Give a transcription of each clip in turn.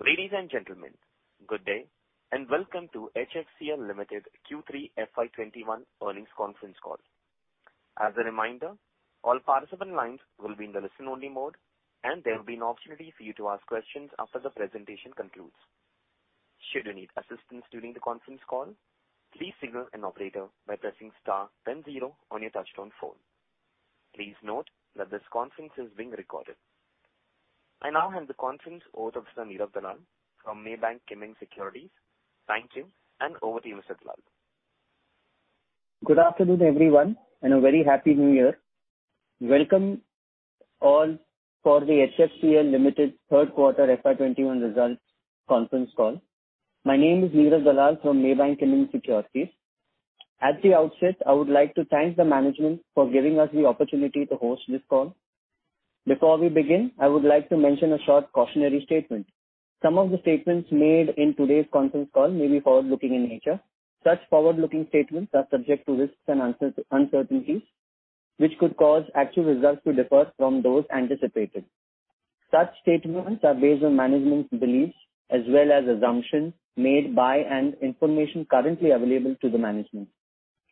Ladies and gentlemen, good day, and welcome to HFCL Limited Q3 FY 2021 Earnings Conference Call. As a reminder, all participant lines will be in the listen only mode, and there will be an opportunity for you to ask questions after the presentation concludes. Should you need assistance during the conference call, please signal an operator by pressing star then zero on your touchtone phone. Please note that this conference is being recorded. I now hand the conference over to Mr. Nirav Dalal from Maybank Kim Eng Securities. Thank you, and over to you, Mr. Dalal. Good afternoon, everyone, and a very happy New Year. Welcome all for the HFCL Limited third quarter FY 2021 results conference call. My name is Nirav Dalal from Maybank Kim Eng Securities. At the outset, I would like to thank the management for giving us the opportunity to host this call. Before we begin, I would like to mention a short cautionary statement. Some of the statements made in today's conference call may be forward-looking in nature. Such forward-looking statements are subject to risks and uncertainties, which could cause actual results to differ from those anticipated. Such statements are based on management's beliefs as well as assumptions made by and information currently available to the management.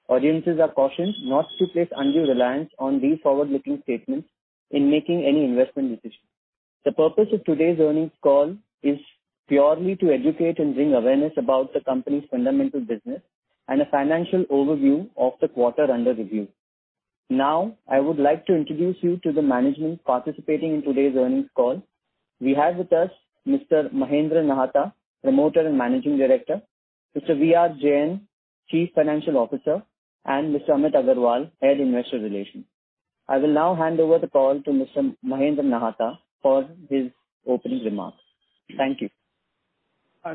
Audiences are cautioned not to place undue reliance on these forward-looking statements in making any investment decision. The purpose of today's earnings call is purely to educate and bring awareness about the company's fundamental business and a financial overview of the quarter under review. Now, I would like to introduce you to the management participating in today's earnings call. We have with us Mr. Mahendra Nahata, Promoter and Managing Director, Mr. V.R. Jain, Chief Financial Officer, and Mr. Amit Agarwal, Head, Investor Relations. I will now hand over the call to Mr. Mahendra Nahata for his opening remarks. Thank you.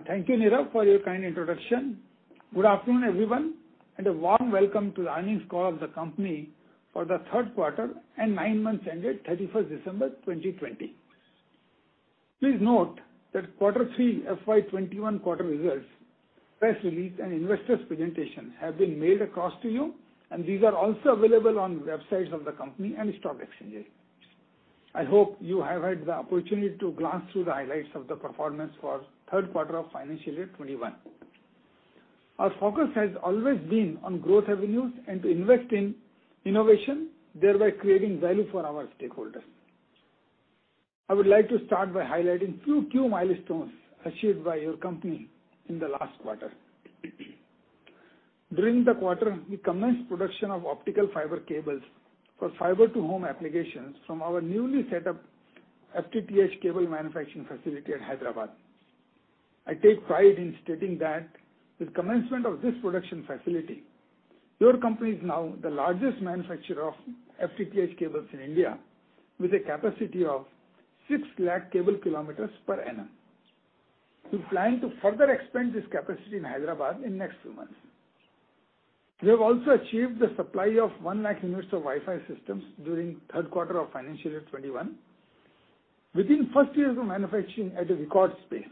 Thank you, Nirav, for your kind introduction. Good afternoon, everyone, and a warm welcome to the earnings call of the company for the third quarter and nine months ended 31st December 2020. Please note that quarter three FY 2021 quarter results, press release, and investors presentation have been mailed across to you, and these are also available on websites of the company and stock exchanges. I hope you have had the opportunity to glance through the highlights of the performance for our third quarter of financial year 2021. Our focus has always been on growth avenues and to invest in innovation, thereby creating value for our stakeholders. I would like to start by highlighting a few key milestones achieved by your company in the last quarter. During the quarter, we commenced production of optical fiber cables for fiber to home applications from our newly set up FTTH cable manufacturing facility at Hyderabad. I take pride in stating that with commencement of this production facility, your company is now the largest manufacturer of FTTH cables in India, with a capacity of 6 lakh cable kilometers per annum. We plan to further expand this capacity in Hyderabad in next few months. We have also achieved the supply of 1 lakh units of Wi-Fi systems during third quarter of financial year 2021 within first year of manufacturing at a record pace.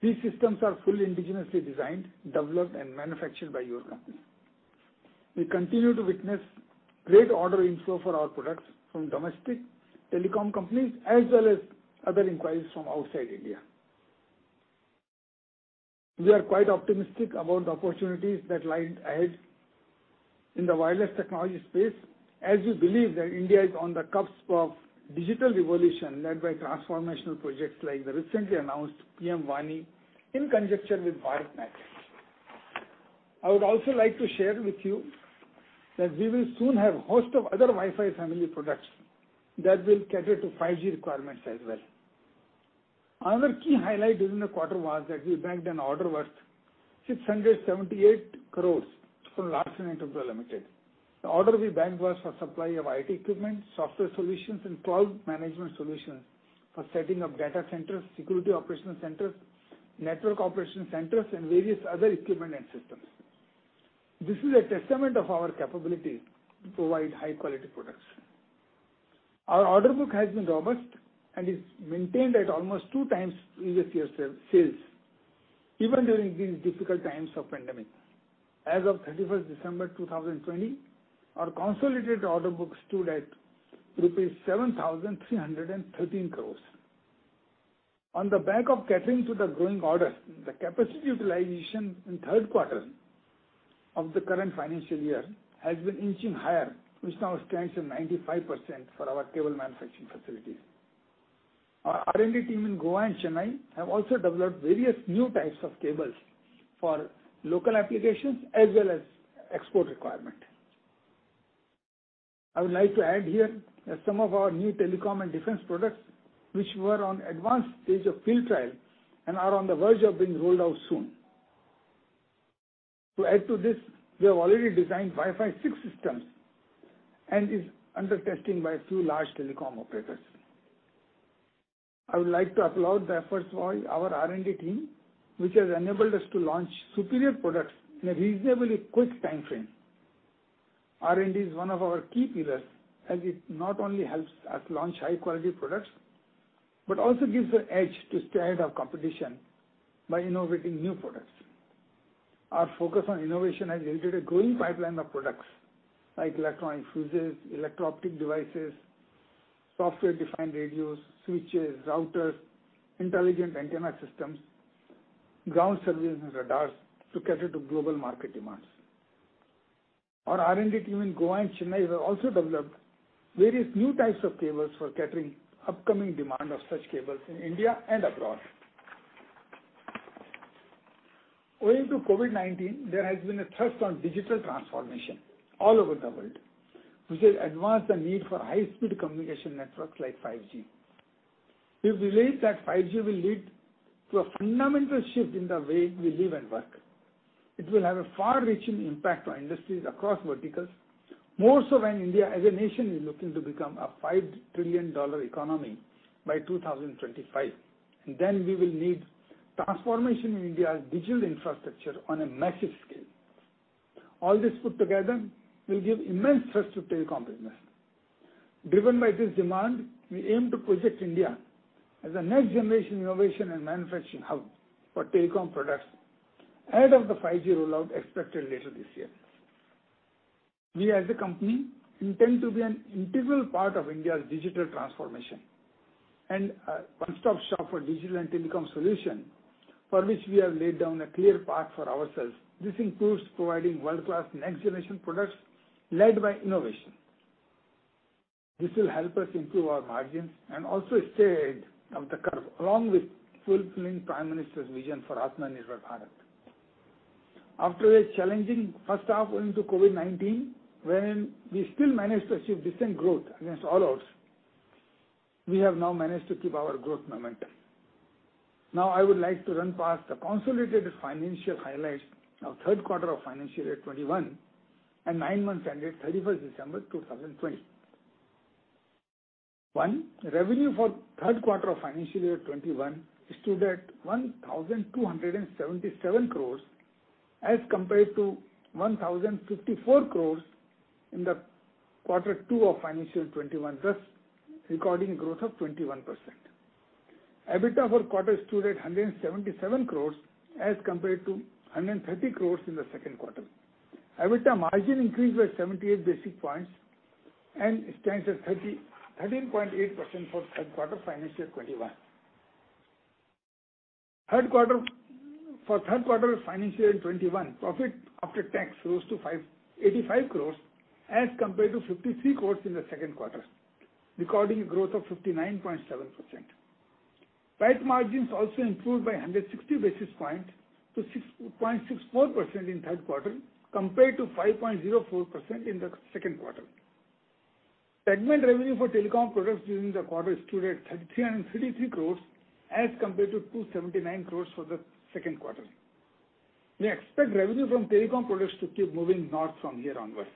These systems are fully indigenously designed, developed, and manufactured by your company. We continue to witness great order inflow for our products from domestic telecom companies as well as other inquiries from outside India. We are quite optimistic about the opportunities that lie ahead in the wireless technology space as we believe that India is on the cusp of digital revolution led by transformational projects like the recently announced PM-WANI in conjunction with BharatNet. I would also like to share with you that we will soon have host of other Wi-Fi family products that will cater to 5G requirements as well. Another key highlight during the quarter was that we bagged an order worth 678 crores from Larsen & Toubro Limited. The order we bagged was for supply of IT equipment, software solutions, and cloud management solutions for setting up data centers, security operational centers, network operational centers, and various other equipment and systems. This is a testament of our capability to provide high quality products. Our order book has been robust and is maintained at almost 2x previous year sales, even during these difficult times of pandemic. As of 31st December 2020, our consolidated order book stood at rupees 7,313 crores. On the back of catering to the growing orders, the capacity utilization in third quarter of the current financial year has been inching higher, which now stands at 95% for our cable manufacturing facilities. Our R&D team in Goa and Chennai have also developed various new types of cables for local applications as well as export requirement. I would like to add here that some of our new telecom and defense products, which were on advanced stage of field trial and are on the verge of being rolled out soon. To add to this, we have already designed Wi-Fi 6 systems, and is under testing by a few large telecom operators. I would like to applaud the efforts by our R&D team, which has enabled us to launch superior products in a reasonably quick timeframe. R&D is one of our key pillars as it not only helps us launch high-quality products, but also gives the edge to stay ahead of competition by innovating new products. Our focus on innovation has yielded a growing pipeline of products like electronic fuses, electro-optic devices, software-defined radios, switches, routers, intelligent antenna systems, ground service and radars to cater to global market demands. Our R&D team in Goa and Chennai have also developed various new types of cables for catering upcoming demand of such cables in India and abroad. Owing to COVID-19, there has been a thrust on digital transformation all over the world, which has advanced the need for high-speed communication networks like 5G. We believe that 5G will lead to a fundamental shift in the way we live and work. It will have a far-reaching impact on industries across verticals, more so when India as a nation is looking to become a $5 trillion economy by 2025. We will need transformation in India's digital infrastructure on a massive scale. All this put together will give immense thrust to telecom business. Driven by this demand, we aim to project India as a next generation innovation and manufacturing hub for telecom products ahead of the 5G rollout expected later this year. We as a company intend to be an integral part of India's digital transformation and a one-stop shop for digital and telecom solution for which we have laid down a clear path for ourselves. This includes providing world-class next generation products led by innovation. This will help us improve our margins and also stay ahead of the curve, along with fulfilling Prime Minister's vision for Atmanirbhar Bharat. After a challenging first half owing to COVID-19, when we still managed to achieve decent growth against all odds, we have now managed to keep our growth momentum. Now I would like to run past the consolidated financial highlights of third quarter of FY 2021 and nine months ended 31st December 2020. One, revenue for third quarter of FY 2021 stood at 1,277 crore as compared to 1,054 crore in the quarter two of FY 2021 thus recording growth of 21%. EBITDA for quarter stood at 177 crore as compared to 130 crore in the second quarter. EBITDA margin increased by 78 basis points and stands at 13.8% for third quarter FY 2021. For third quarter FY 2021, profit after tax rose to 85 crore as compared to 53 crore in the second quarter, recording a growth of 59.7%. PAT margins also improved by 160 basis points to 6.64% in third quarter compared to 5.04% in the second quarter. Segment revenue for telecom products during the quarter stood at 333 crore as compared to 279 crore for the second quarter. We expect revenue from telecom products to keep moving north from here onwards.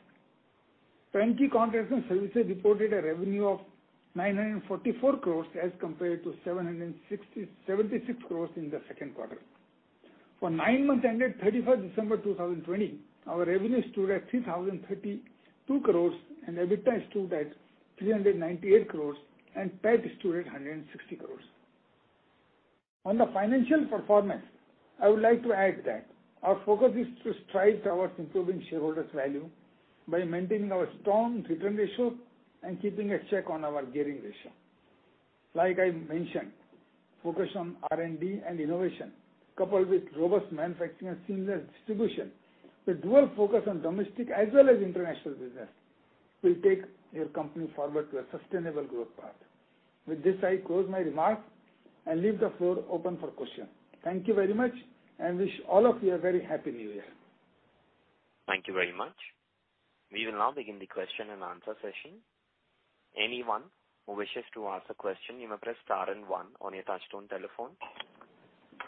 Turnkey contracts and services reported a revenue of 944 crore as compared to 776 crore in the second quarter. For nine months ended 31st December 2020, our revenue stood at 3,032 crore and EBITDA stood at 398 crore and PAT stood at 160 crore. On the financial performance, I would like to add that our focus is to strive towards improving shareholders' value by maintaining our strong return ratios and keeping a check on our gearing ratio. Like I mentioned, focus on R&D and innovation coupled with robust manufacturing and seamless distribution with dual focus on domestic as well as international business will take your company forward to a sustainable growth path. With this, I close my remarks and leave the floor open for questions. Thank you very much, and wish all of you a very happy new year. Thank you very much. We will now begin the question-and-answer session. Anyone who wishes to ask a question, you may press star and one on your touch-tone telephone.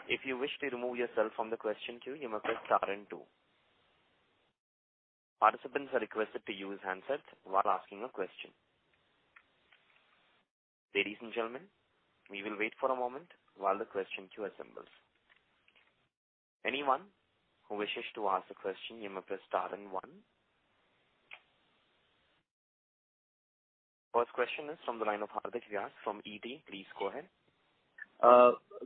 If you wish to remove yourself from the question queue, you may press star and two. Participants are requested to use handsets while asking a question. Ladies and gentlemen, we will wait for a moment while the question queue assembles. Anyone who wishes to ask a question, you may press star and one. First question is from the line of Hardik Vyas from ET. Please go ahead.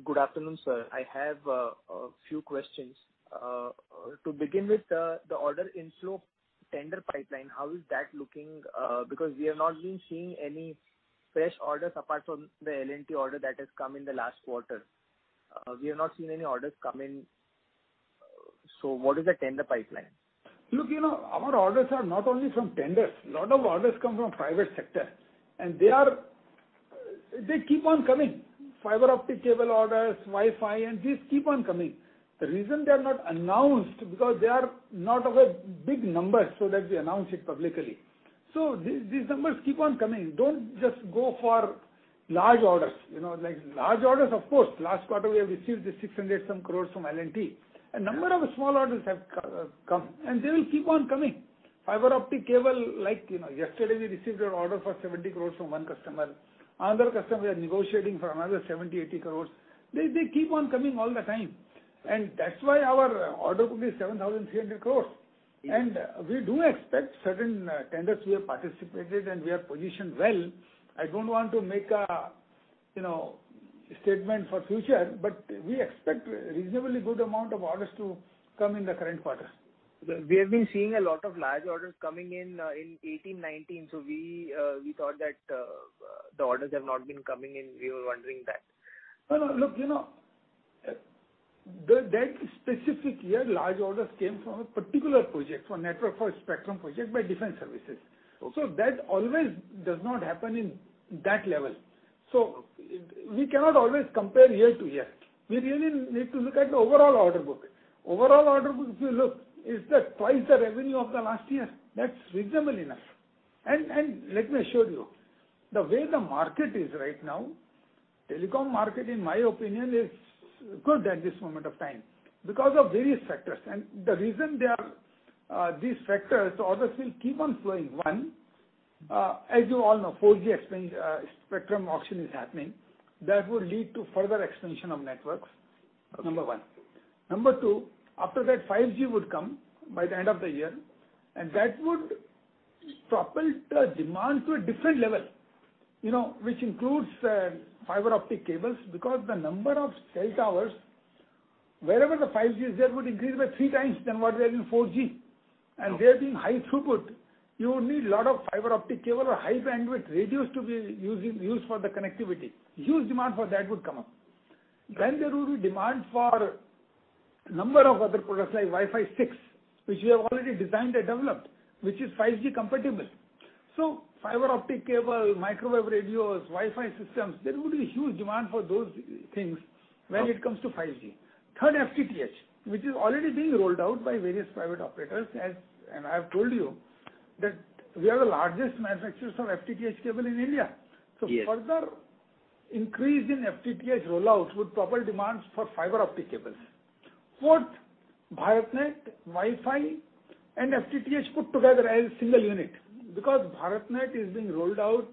Good afternoon, sir. I have a few questions. To begin with, the order inflow tender pipeline, how is that looking because we have not been seeing any fresh orders apart from the L&T order that has come in the last quarter. We have not seen any orders come in. What is the tender pipeline? Look, our orders are not only from tenders. A lot of orders come from private sector and they keep on coming. Fiber optic cable orders, Wi-Fi, and these keep on coming. The reason they are not announced, because they are not of a big number so that we announce it publicly. These numbers keep on coming. Don't just go for large orders. Large orders, of course, last quarter we have received the 600 some crores from L&T. A number of small orders have come and they will keep on coming. Fiber optic cable, like yesterday we received an order for 70 crores from one customer. Another customer we are negotiating for another 70, 80 crores. They keep on coming all the time and that's why our order book is 7,300 crores. We do expect certain tenders we have participated and we are positioned well. I don't want to make You know, statement for future, but we expect a reasonably good amount of orders to come in the current quarter. We have been seeing a lot of large orders coming in 2018-2019. We thought that the orders have not been coming and we were wondering that. No, look, that specific year, large orders came from a particular project, for network, for a Spectrum project by defense services. That always does not happen in that level. We cannot always compare year-to-year. We really need to look at the overall order book. Overall order book, if you look, is twice the revenue of the last year. That's reasonable enough. Let me assure you, the way the market is right now, telecom market, in my opinion, is good at this moment of time because of various factors. The reason these factors, orders will keep on flowing. One, as you all know, 4G spectrum auction is happening. That will lead to further extension of networks, number one. Number two, after that, 5G would come by the end of the year, and that would propel the demand to a different level, which includes fiber optic cables. Because the number of cell towers, wherever the 5G is there, would increase by three times than what they are in 4G. They're being high throughput. You need lot of fiber optic cable or high bandwidth radios to be used for the connectivity. Huge demand for that would come up. There will be demand for a number of other products like Wi-Fi 6, which we have already designed and developed, which is 5G compatible. Fiber optic cable, microwave radios, Wi-Fi systems, there would be huge demand for those things when it comes to 5G. Third, FTTH, which is already being rolled out by various private operators, and I have told you that we are the largest manufacturers of FTTH cable in India. Yes. Further increase in FTTH rollouts would propel demands for fiber optic cables. Fourth, BharatNet, Wi-Fi, and FTTH put together as single unit, because BharatNet is being rolled out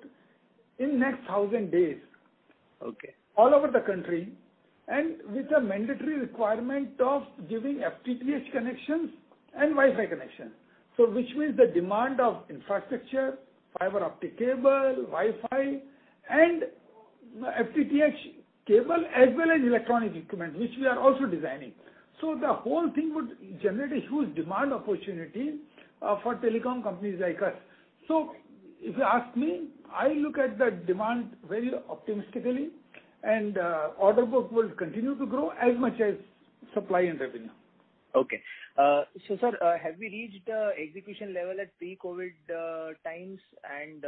in next 1,000 days. Okay. All over the country, with a mandatory requirement of giving FTTH connections and Wi-Fi connection. Which means the demand of infrastructure, fiber optic cable, Wi-Fi, and FTTH cable, as well as electronic equipment, which we are also designing. The whole thing would generate a huge demand opportunity for telecom companies like us. If you ask me, I look at that demand very optimistically, and order book will continue to grow as much as supply and revenue. Sir, have we reached execution level at pre-COVID times and,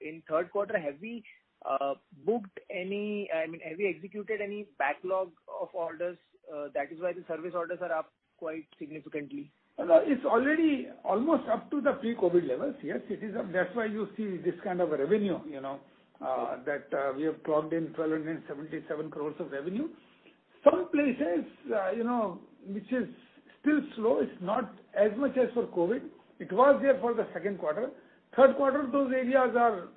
in third quarter, have we executed any backlog of orders, that is why the service orders are up quite significantly? No, it's already almost up to the pre-COVID levels. Yes, that's why you see this kind of revenue, that we have clocked in 1,277 crore of revenue. Some places, which is still slow, it's not as much as for COVID. It was there for the second quarter. Third quarter, those areas are,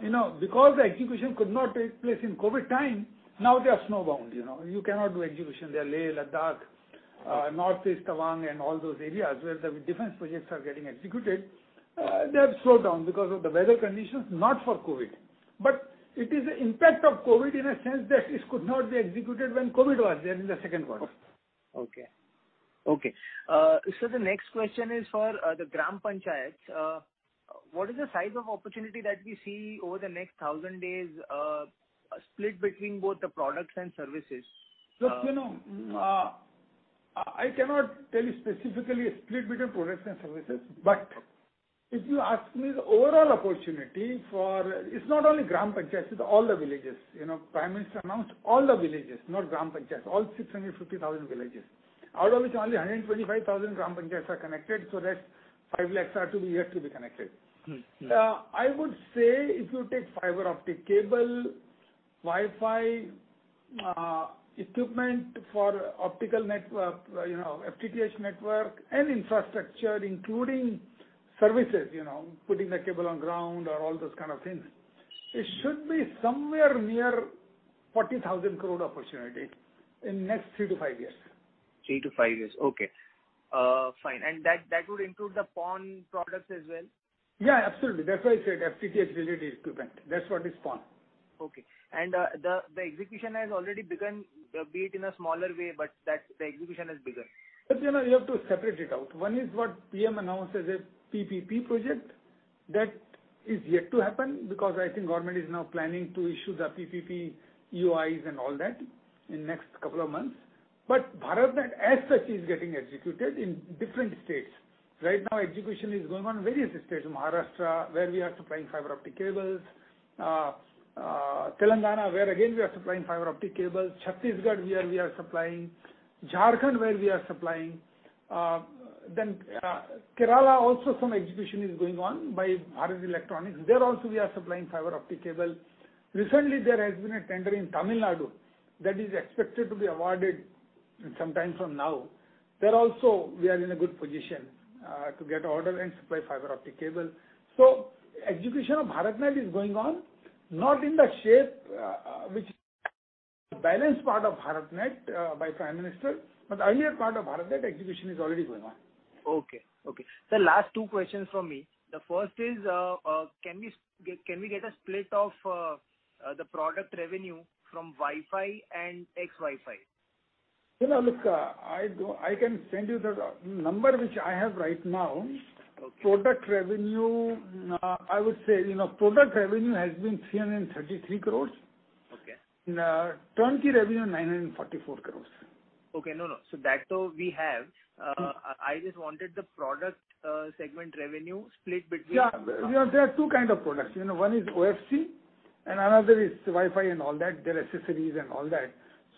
because the execution could not take place in COVID time, now they are snowbound. You cannot do execution there. Leh, Ladakh, Northeast Tawang and all those areas where the defence projects are getting executed, they have slowed down because of the weather conditions, not for COVID. It is the impact of COVID in a sense that it could not be executed when COVID was there in the second quarter. Okay. The next question is for the Gram Panchayats. What is the size of opportunity that we see over the next 1,000 days, split between both the products and services? Look, I cannot tell you specifically split between products and services. If you ask me the overall opportunity, it's not only Gram Panchayats, it's all the villages. Prime Minister announced all the villages, not Gram Panchayats, all 650,000 villages. Out of which only 125,000 Gram Panchayats are connected, that's five lakhs are yet to be connected. I would say if you take fiber optic cable, Wi-Fi, equipment for optical network, FTTH network, and infrastructure, including services, putting the cable on ground or all those kind of things, it should be somewhere near 40,000 crore opportunity in next three to five years. Three to five years. Okay. Fine. That would include the PON products as well? Yeah, absolutely. That's why I said FTTH related equipment. That's what is PON. Okay. The execution has already begun, be it in a smaller way, but the execution has begun. You have to separate it out. One is what PM announced as a PPP project. That is yet to happen because I think government is now planning to issue the PPP EOIs and all that in next couple of months. BharatNet as such is getting executed in different states. Right now, execution is going on in various states. Maharashtra, where we are supplying fiber optic cables. Telangana, where again, we are supplying fiber optic cables. Chhattisgarh, where we are supplying. Jharkhand, where we are supplying. Kerala also some execution is going on by Bharat Electronics. There also we are supplying fiber optic cable. Recently there has been a tender in Tamil Nadu that is expected to be awarded sometime from now. There also, we are in a good position to get order and supply fiber optic cable. Execution of BharatNet is going on, not in the shape The balance part of BharatNet by Prime Minister. The earlier part of BharatNet exhibition is already going on. Okay. Sir, last two questions from me. The first is, can we get a split of the product revenue from Wi-Fi and ex-Wi-Fi? I can send you the number which I have right now. Okay. Product revenue, I would say, product revenue has been 333 crore. Okay. Turnkey revenue, 944 crores. Okay. No, that we have. I just wanted the product segment revenue split between- Yeah. There are two kind of products. One is OFC and another is Wi-Fi and all that, their accessories and all that.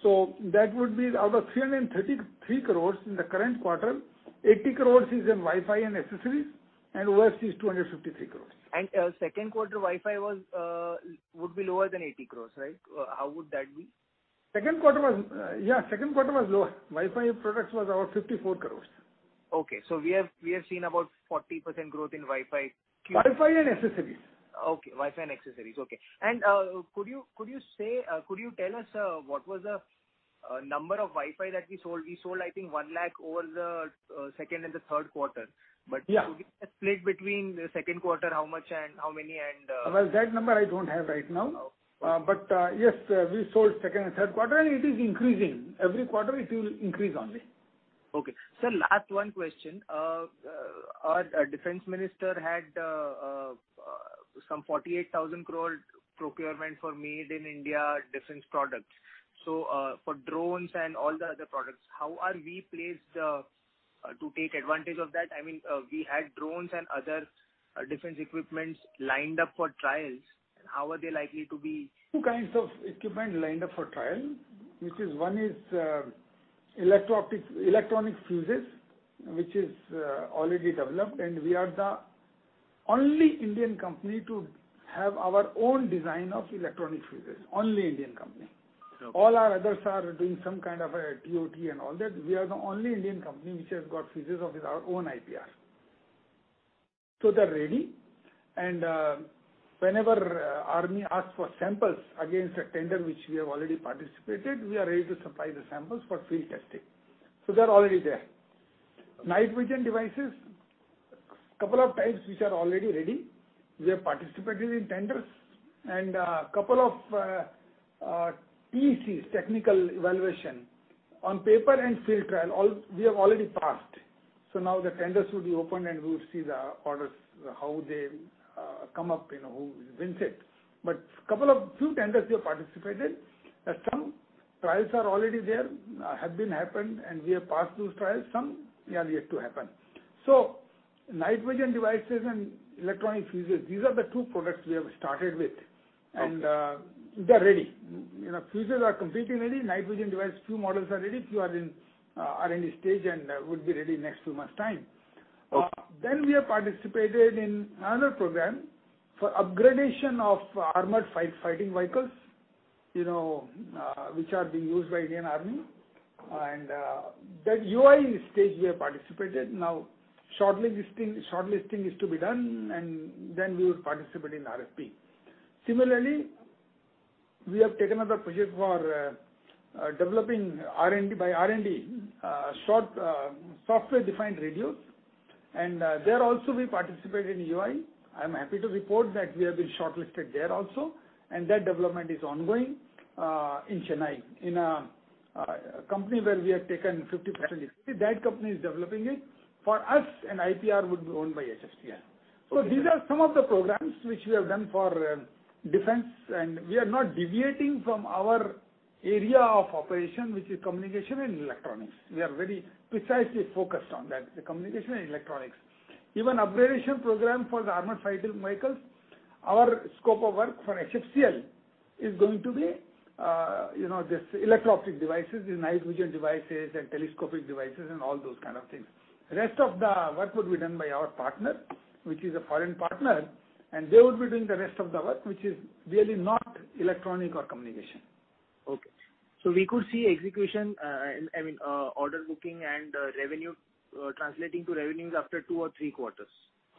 That would be out of 333 crore in the current quarter, 80 crore is in Wi-Fi and accessories, and OFC is 253 crore. Second quarter Wi-Fi would be lower than 80 crores, right? How would that be? Yeah. Second quarter was lower. Wi-Fi products was about 54 crores. Okay. We have seen about 40% growth in Wi-Fi Q- Wi-Fi and accessories. Okay. Wi-Fi and accessories. Could you tell us what was the number of Wi-Fi that we sold? We sold, I think, 1 lakh over the second and the third quarter. Yeah. Could we get a split between the second quarter, how much and how many? Well, that number I don't have right now. Yes, we sold second and third quarter, and it is increasing. Every quarter, it will increase only. Okay. Sir, last one question. Our Defense Minister had some 48,000 crore procurement for made in India defense products. For drones and all the other products, how are we placed to take advantage of that? I mean, we had drones and other defense equipments lined up for trials. How are they likely to be Two kinds of equipment lined up for trial. One is electronic fuses, which is already developed, and we are the only Indian company to have our own design of electronic fuses. Only Indian company. Okay. All our others are doing some kind of a TOT and all that. We are the only Indian company which has got fuses of our own IPR. They're ready, and whenever army asks for samples against a tender which we have already participated, we are ready to supply the samples for field testing. They're already there. Night vision devices, couple of types which are already ready. We have participated in tenders and a couple of TECs, technical evaluation. On paper and field trial, we have already passed. Now the tenders will be open, and we would see the orders, how they come up, who wins it. Couple of few tenders we have participated. Some trials are already there, have been happened, and we have passed those trials. Some are yet to happen. Night vision devices and electronic fuses, these are the two products we have started with. Okay. They're ready. Fuses are completely ready. Night vision device, 2 models are ready, 2 are in the stage and would be ready next two months time. Okay. We have participated in another program for upgradation of armored fighting vehicles, which are being used by Indian Army. That EOI stage we have participated. Now, shortlisting is to be done, and then we would participate in RFP. Similarly, we have taken up the project for developing by R&D, software-defined radios. There also, we participated in EOI. I'm happy to report that we have been shortlisted there also, and that development is ongoing, in Chennai, in a company where we have taken 50% equity. That company is developing it for us, and IPR would be owned by HFCL. Okay. These are some of the programs which we have done for defense, and we are not deviating from our area of operation, which is communication and electronics. We are very precisely focused on that, the communication and electronics. Even upgradation program for the armored fighting vehicles, our scope of work for HFCL is going to be this electro-optic devices, these night vision devices and telescopic devices and all those kind of things. Rest of the work would be done by our partner, which is a foreign partner, and they would be doing the rest of the work, which is really not electronic or communication. Okay. We could see execution, I mean, order booking and translating to revenues after two or three quarters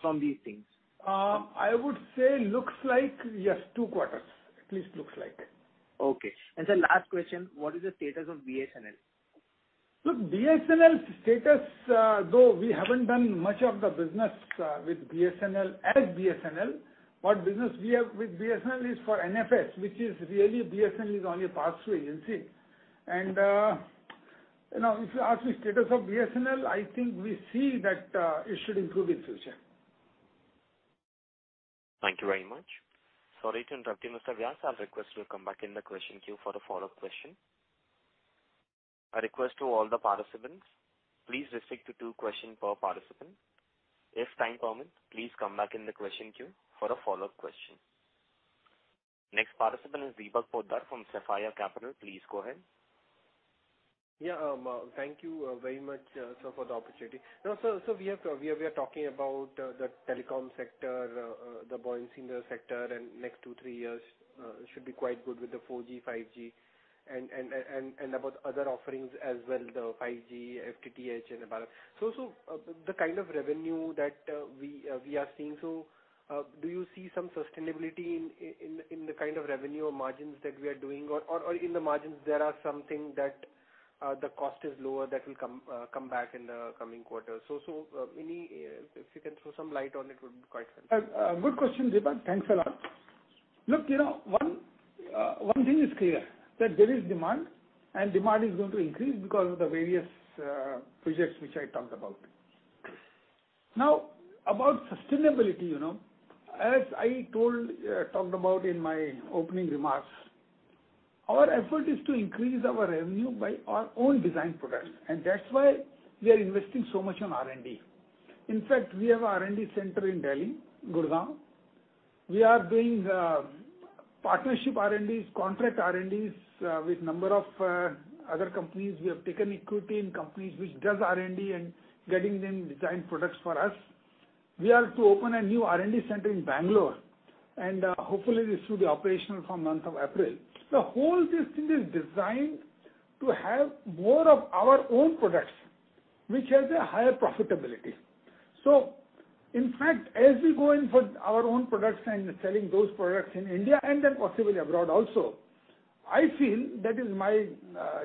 from these things. I would say, looks like, yes, two quarters, at least looks like. Okay. sir, last question. What is the status of BSNL? Look, BSNL's status, though we haven't done much of the business with BSNL as BSNL. What business we have with BSNL is for NFS, which is really BSNL is only a pass-through agency. If you ask me status of BSNL, I think we see that it should improve in future. Thank you very much. Sorry to interrupt you, Mr. Vyas. I'll request you to come back in the question queue for the follow-up question. A request to all the participants. Please restrict to two questions per participant. If time permits, please come back in the question queue for a follow-up question. Next participant is Vibhav Poddar from Sapphire Capital. Please go ahead. Yeah. Thank you very much, sir, for the opportunity. Now, sir, we are talking about the telecom sector, the buoyancy in the sector and next two, three years should be quite good with the 4G, 5G, and about other offerings as well, the 5G, FTTH and others. The kind of revenue that we are seeing, so do you see some sustainability in the kind of revenue margins that we are doing? In the margins, there are some things that- The cost is lower that will come back in the coming quarters. If you can throw some light on it, would be quite helpful. Good question, Deepan. Thanks a lot. One thing is clear, that there is demand, and demand is going to increase because of the various projects which I talked about. About sustainability, as I talked about in my opening remarks, our effort is to increase our revenue by our own design products, and that's why we are investing so much on R&D. We have a R&D center in Delhi, Gurgaon. We are doing partnership R&Ds, contract R&Ds with number of other companies. We have taken equity in companies which does R&D and getting them design products for us. We are to open a new R&D center in Bangalore, and hopefully this will be operational from month of April. The whole system is designed to have more of our own products, which has a higher profitability. In fact, as we go in for our own products and selling those products in India and then possibly abroad also, I feel, that is my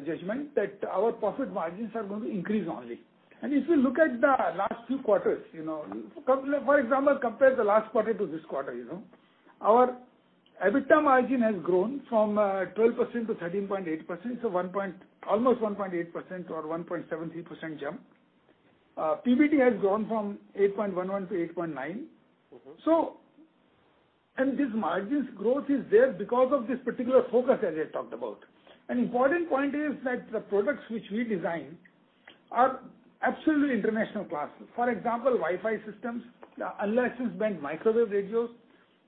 judgment, that our profit margins are going to increase only. If you look at the last few quarters, for example compare the last quarter to this quarter, our EBITDA margin has grown from 12% to 13.8%, almost 1.8% or 1.73% jump. PBT has grown from 8.11% to 8.9%. This margins growth is there because of this particular focus, as I talked about. An important point is that the products which we design are absolutely international class. For example, Wi-Fi systems, unlicensed band microwave radios,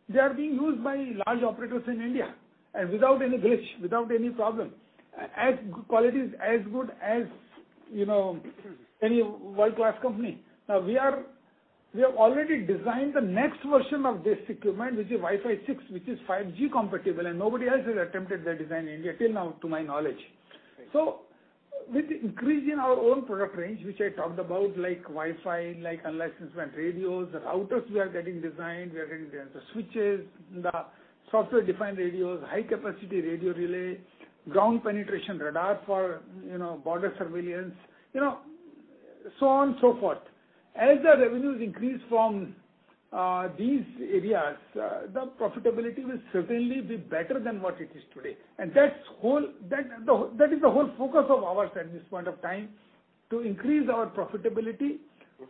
they are being used by large operators in India, and without any glitch, without any problem. Quality is as good as any world-class company. We have already designed the next version of this equipment, which is Wi-Fi 6, which is 5G compatible, and nobody else has attempted the design in India till now to my knowledge. Right. With the increase in our own product range, which I talked about, like Wi-Fi, like unlicensed band radios, routers we are getting designed, we are getting the switches, the software-defined radios, high capacity radio relay, ground penetration radar for border surveillance, so on so forth. As the revenues increase from these areas, the profitability will certainly be better than what it is today. That is the whole focus of ours at this point of time, to increase our profitability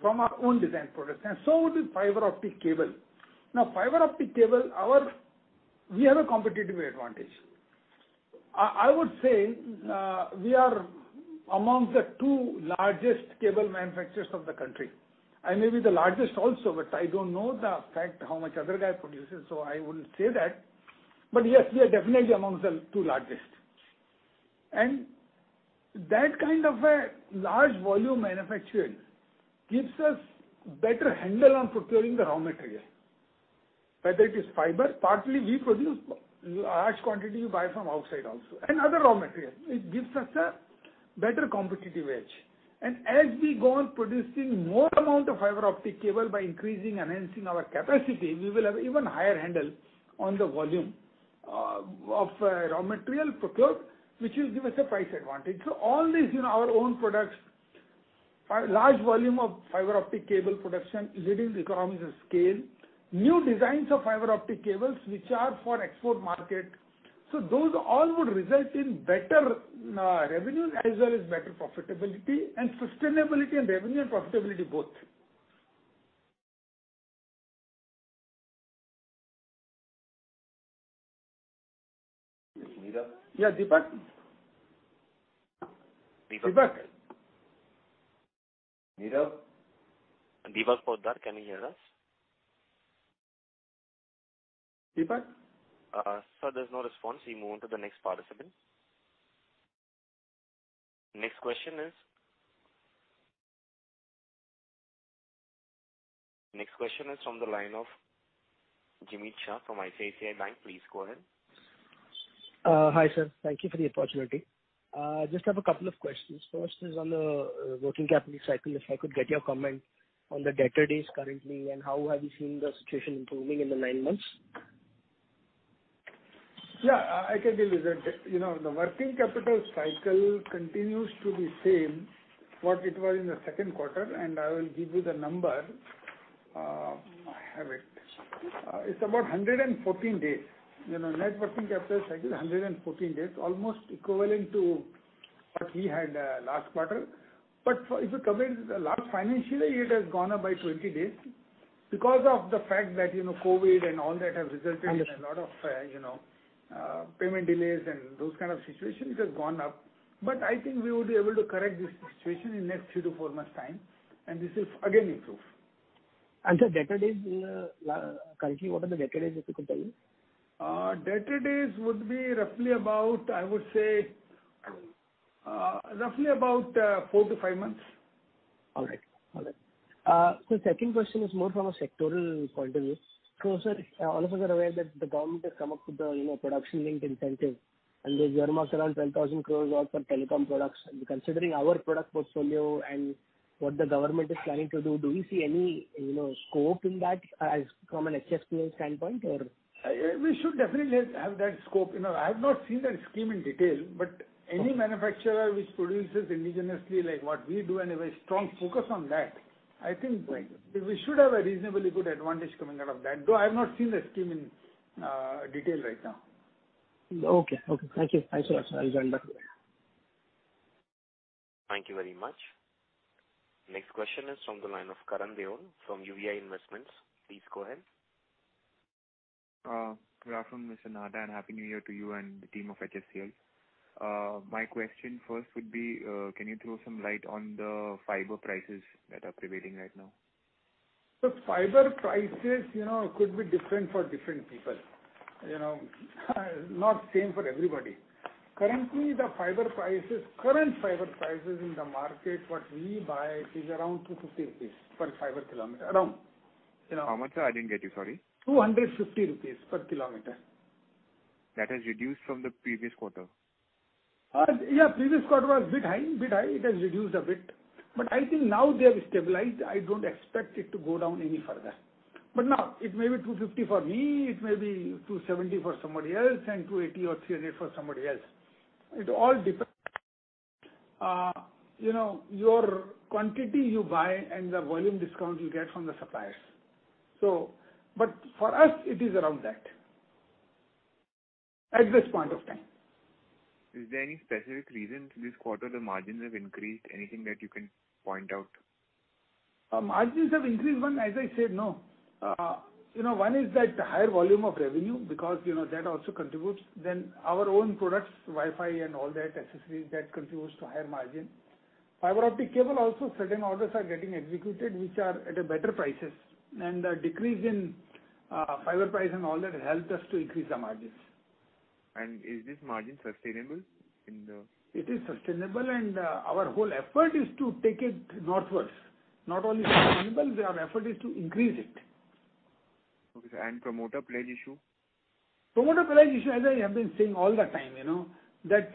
from our own design products. With fiber optic cable. Fiber optic cable, we have a competitive advantage. I would say, we are amongst the two largest cable manufacturers of the country, and maybe the largest also, but I don't know the fact how much other guy produces, so I wouldn't say that. Yes, we are definitely amongst the two largest. That kind of a large volume manufacturing gives us better handle on procuring the raw material. Whether it is fiber, partly we produce large quantity we buy from outside also, and other raw material. It gives us a better competitive edge. As we go on producing more amount of fiber optic cable by increasing, enhancing our capacity, we will have even higher handle on the volume of raw material procured, which will give us a price advantage. All these, our own products, large volume of fiber optic cable production, leading economies of scale, new designs of fiber optic cables which are for export market, those all would result in better revenues as well as better profitability and sustainability and revenue and profitability both. Deepan? Yeah, Deepan. Deepan? Deepan? Deepan Poddar, can he hear us? Deepan? Sir, there's no response. We move on to the next participant. Next question is from the line of Jimmy Shah from ICICI Bank. Please go ahead. Hi, sir. Thank you for the opportunity. Just have a couple of questions. First is on the working capital cycle, if I could get your comment on the debtor days currently and how have you seen the situation improving in the nine months? Yeah, I can give you that. The working capital cycle continues to be same what it was in the second quarter. I will give you the number. I have it. It's about 114 days. Net working capital cycle is 114 days, almost equivalent to what we had last quarter. If you compare with last financial year, it has gone up by 20 days. Because of the fact that COVID and all that have resulted in a lot of payment delays and those kind of situations, it has gone up. I think we would be able to correct this situation in next three to four months time, and this will again improve. Sir, debtor days currently, what are the debtor days, if you could tell me? Debtor days would be roughly about, I would say, roughly about four to five months. All right. Sir, second question is more from a sectoral point of view. Sir, all of us are aware that the government has come up with the production-linked incentive, and they've earmarked around 10,000 crores worth for telecom products. Considering our product portfolio and what the government is planning to do we see any scope in that from an HFCL standpoint or? We should definitely have that scope. I've not seen that scheme in detail, but any manufacturer which produces indigenously like what we do and have a strong focus on that, I think we should have a reasonably good advantage coming out of that, though I have not seen the scheme in detail right now. Okay. Thank you. I'll join back. Thank you very much. Next question is from the line of Karan Biron from UVI Investments. Please go ahead. Good afternoon, Mr. Nahata, and Happy New Year to you and the team of HFCL. My question first would be, can you throw some light on the fiber prices that are prevailing right now? Look, fiber prices could be different for different people. Not the same for everybody. Currently, the fiber prices, current fiber prices in the market, what we buy, is around 250 rupees per fiber kilometer. Around. How much, sir? I didn't get you. Sorry. 250 rupees per kilometer. That has reduced from the previous quarter. Yeah, previous quarter was a bit high. It has reduced a bit. I think now they have stabilized. I don't expect it to go down any further. Now it may be 250 for me, it may be 270 for somebody else, and 280 or 300 for somebody else. It all depends. Your quantity you buy and the volume discount you get from the suppliers. For us, it is around that, at this point of time. Is there any specific reason this quarter the margins have increased? Anything that you can point out? Margins have increased. One, as I said, one is that higher volume of revenue, because that also contributes. Our own products, Wi-Fi and all that accessories, that contributes to higher margin. Fiber optic cable also, certain orders are getting executed, which are at better prices. The decrease in fiber price and all that helped us to increase the margins. Is this margin sustainable? It is sustainable, and our whole effort is to take it northwards. Not only sustainable, our effort is to increase it. Okay. Promoter pledge issue? Promoter pledge issue, as I have been saying all the time, that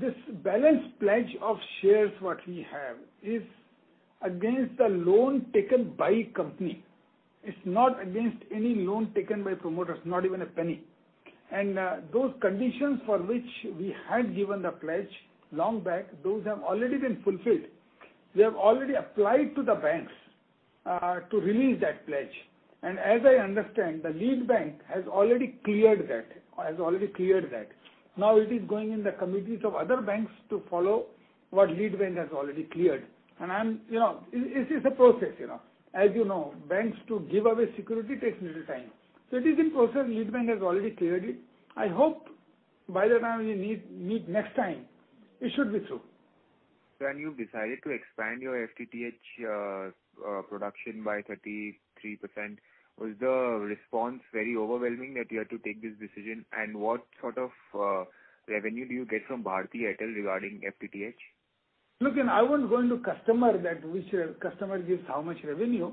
this balance pledge of shares, what we have, is against the loan taken by company. It's not against any loan taken by promoters, not even a penny. Those conditions for which we had given the pledge long back, those have already been fulfilled. We have already applied to the banks to release that pledge. As I understand, the lead bank has already cleared that. Now it is going in the committees of other banks to follow what lead bank has already cleared. This is a process. As you know, banks to give away security takes a little time. It is in process. Lead bank has already cleared it. I hope by the time we meet next time, it should be so. Sir, you've decided to expand your FTTH production by 33%. Was the response very overwhelming that you had to take this decision, and what sort of revenue do you get from Bharti Airtel regarding FTTH? Look, I won't go into customer that which customer gives how much revenue.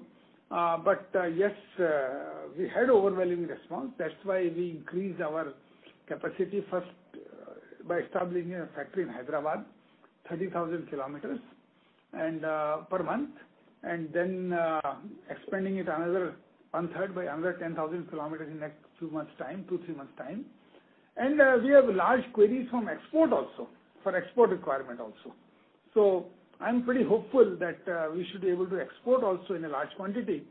Yes, we had overwhelming response. That's why we increased our capacity first by establishing a factory in Hyderabad, 30,000 kilometers per month, and then expanding it another one-third by another 10,000 kilometers in next two months' time, two, three months' time. We have large queries from export also, for export requirement also. I'm pretty hopeful that we should be able to export also in a large quantity.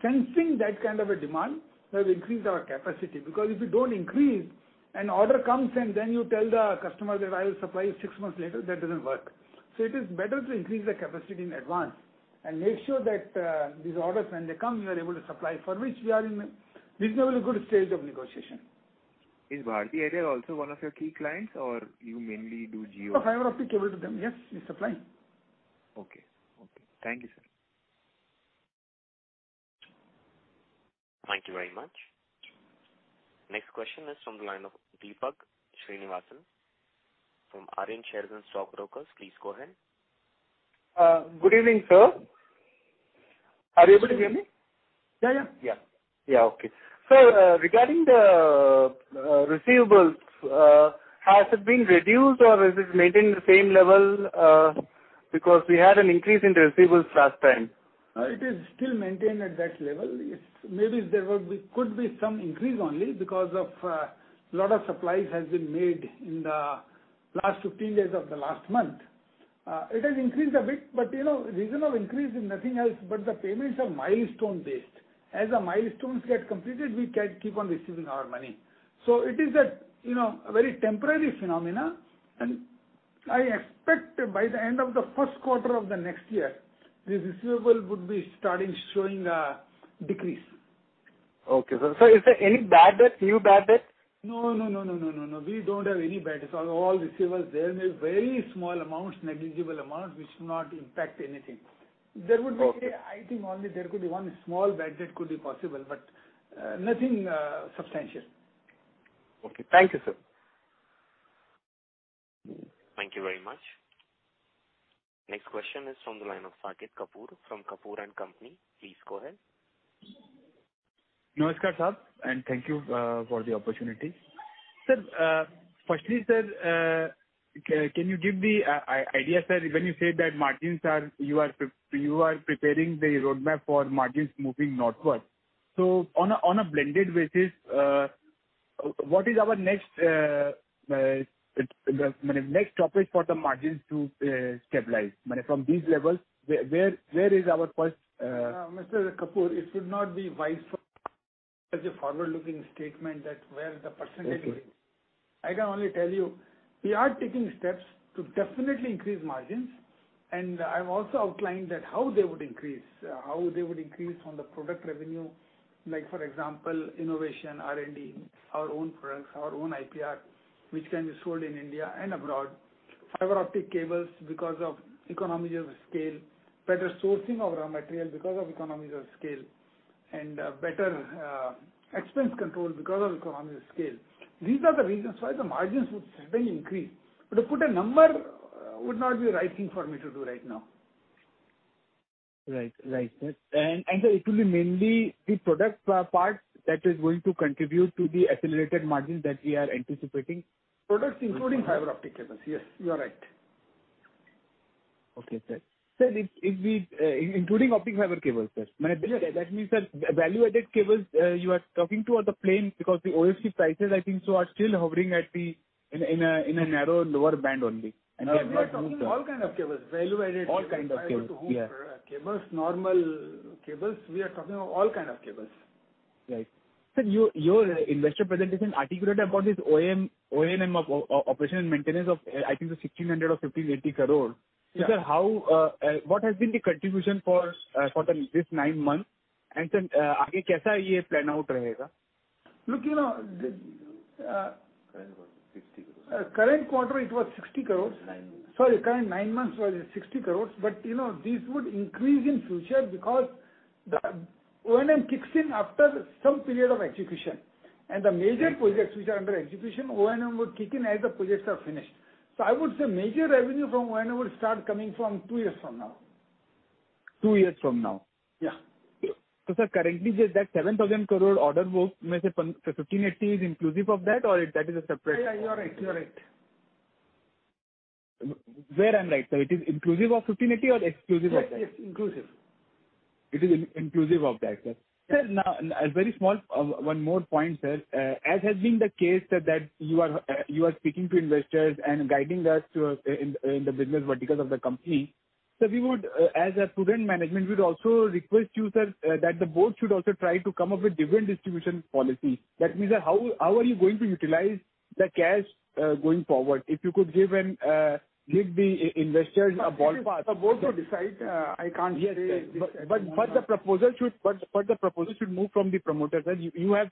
Sensing that kind of a demand, we have increased our capacity. Because if you don't increase, an order comes, and then you tell the customer that, "I will supply you six months later," that doesn't work. It is better to increase the capacity in advance and make sure that these orders, when they come, we are able to supply, for which we are in reasonably good stage of negotiation. Is Bharti Airtel also one of your key clients, or you mainly do Jio? For fiber optic cable to them, yes, we supply. Okay. Thank you, sir. Thank you very much. Next question is from the line of Deepan Srinivas from Aryan Share and Stock Brokers. Please go ahead. Good evening, sir. Are you able to hear me? Yeah. Yeah. Okay. Sir, regarding the receivables, has it been reduced, or is it maintaining the same level? Because we had an increase in the receivables last time. It is still maintained at that level. Maybe there could be some increase only because of a lot of supplies has been made in the last 15 days of the last month. It has increased a bit, but reason of increase is nothing else but the payments are milestone-based. As the milestones get completed, we can keep on receiving our money. It is a very temporary phenomenon. I expect by the end of the first quarter of the next year, this receivable would be starting showing a decrease. Okay, sir. Sir, is there any bad debt, new bad debt? No. We don't have any bad debts at all. All receivables, there may very small amounts, negligible amounts, which should not impact anything. Okay. I think only there could be one small bad debt could be possible, but nothing substantial. Okay. Thank you, sir. Thank you very much. Next question is from the line of Saket Kapoor from Kapoor & Company. Please go ahead. Namaskar, sir, and thank you for the opportunity. Sir, firstly, can you give the idea, sir, when you say that you are preparing the roadmap for margins moving northward. On a blended basis, what is our next topic for the margins to stabilize? Mr. Kapoor, it should not be wise as a forward-looking statement that where the percentage is. Okay. I can only tell you, we are taking steps to definitely increase margins, and I've also outlined that how they would increase from the product revenue. Like for example, innovation, R&D, our own products, our own IPR, which can be sold in India and abroad. Fiber optic cables, because of economies of scale, better sourcing of raw material because of economies of scale, and better expense control because of economies of scale. These are the reasons why the margins would suddenly increase. To put a number would not be the right thing for me to do right now. Right. It will be mainly the product part that is going to contribute to the accelerated margins that we are anticipating. Products including fiber optic cables. Yes, you are right. Okay, sir. Sir, including optic fiber cables, sir. That means that value-added cables, you are talking toward the plain because the OFC prices, I think so, are still hovering in a narrow lower band only. have not moved. Yes, we are talking all kind of cables. All kind of cables. Yes. cables, normal cables. We are talking of all kind of cables. Right. Sir, your investor presentation articulated about this O&M, operation and maintenance of, I think the 1,600 crore or 1,580 crore. Yes. Sir, what has been the contribution for this nine months? Sir, plan out? Look, you know- Current quarter, INR 60 crores. Current quarter, it was 60 crores. It's nine months. Sorry, current nine months was 60 crores. These would increase in future because the O&M kicks in after some period of execution. The major projects which are under execution, O&M would kick in as the projects are finished. I would say major revenue from O&M will start coming from two years from now. Two years from now. Yeah. Sir, currently, that 7,000 crore order book, 1,580 is inclusive of that, or that is a separate? Yeah, you are right. Where I'm right, sir. It is inclusive of 1,580 or exclusive of that? Yes. Inclusive. It is inclusive of that, sir. Sir, now, a very small one more point, sir. As has been the case, sir, that you are speaking to investors and guiding us in the business verticals of the company. Sir, as a prudent management, we'd also request you, sir, that the board should also try to come up with dividend distribution. That means that how are you going to utilize the cash, going forward? If you could give the investors a ballpark. The board will decide, I can't say. Yes, sir. The proposal should move from the promoter, sir. You have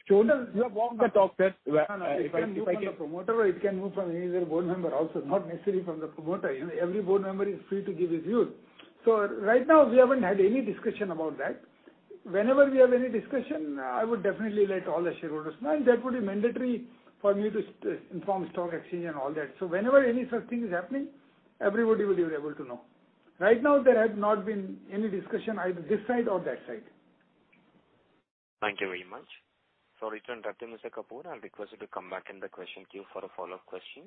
walked the talk, sir. No, it can move from the promoter, or it can move from any other board member also, not necessarily from the promoter. Every board member is free to give his view. Right now we haven't had any discussion about that. Whenever we have any discussion, I would definitely let all the shareholders know, and that would be mandatory for me to inform stock exchange and all that. Whenever any such thing is happening, everybody will be able to know. Right now, there has not been any discussion, either this side or that side. Thank you very much. Return back to Mr. Kapoor. I request you to come back in the question queue for a follow-up question.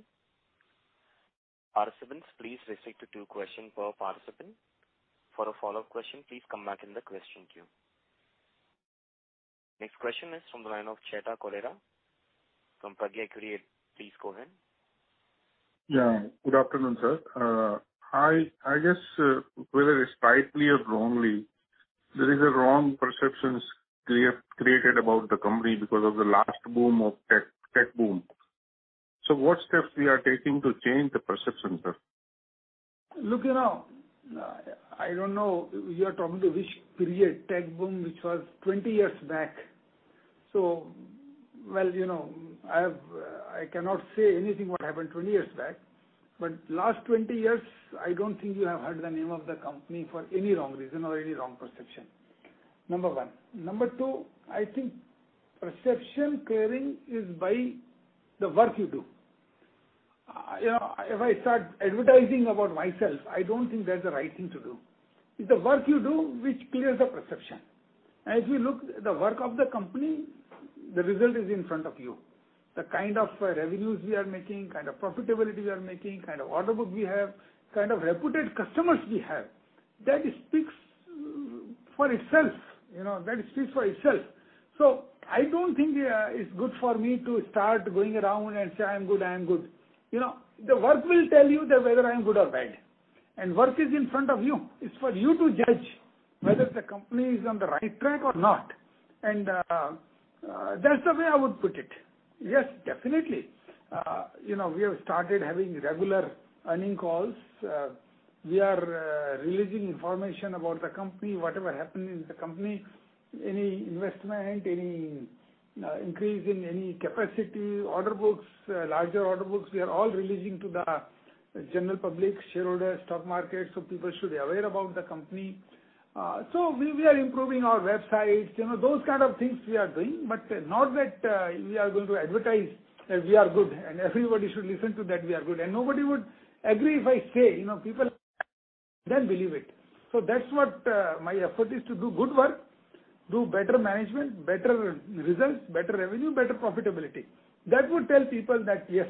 Participants, please restrict to two question per participant. For a follow-up question, please come back in the question queue. Next question is from the line of Chetan Cholera from Pragya Equities. Please go ahead. Yeah. Good afternoon, sir. I guess, whether rightly or wrongly, there is a wrong perceptions created about the company because of the last tech boom. What steps we are taking to change the perceptions, sir? Look, I don't know. You are talking the which period tech boom, which was 20 years back. Well, I cannot say anything what happened 20 years back. Last 20 years, I don't think you have heard the name of the company for any wrong reason or any wrong perception. Number one. Number two, I think perception clearing is by the work you do. If I start advertising about myself, I don't think that's the right thing to do. It's the work you do which clears the perception. As we look the work of the company, the result is in front of you. The kind of revenues we are making, kind of profitability we are making, kind of order book we have, kind of reputed customers we have. That speaks for itself. I don't think it's good for me to start going around and say, "I am good." The work will tell you that whether I'm good or bad. Work is in front of you. It's for you to judge whether the company is on the right track or not. That's the way I would put it. Yes, definitely. We have started having regular earnings calls. We are releasing information about the company, whatever happened in the company, any investment, any increase in any capacity, order books, larger order books, we are all releasing to the general public, shareholders, stock market, so people should be aware about the company. We are improving our website, those kind of things we are doing, but not that we are going to advertise that we are good, and everybody should listen to that we are good. Nobody would agree if I say. People believe it. That's what my effort is to do good work, do better management, better results, better revenue, better profitability. That would tell people that, yes,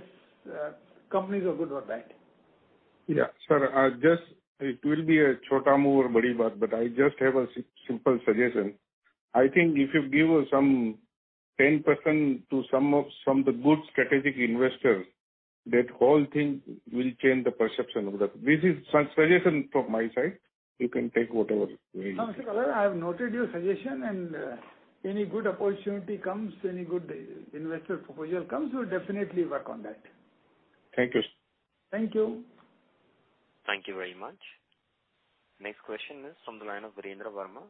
companies are good or bad. Yeah. Sir, it will be, but I just have a simple suggestion. I think if you give some 10% to some of the good strategic investors, that whole thing will change the perception of that. This is suggestion from my side. You can take whatever way you think. No, Mr. Cholera, I have noted your suggestion, and any good opportunity comes, any good investor proposal comes, we'll definitely work on that. Thank you. Thank you. Thank you very much. Next question is from the line of Virender Verma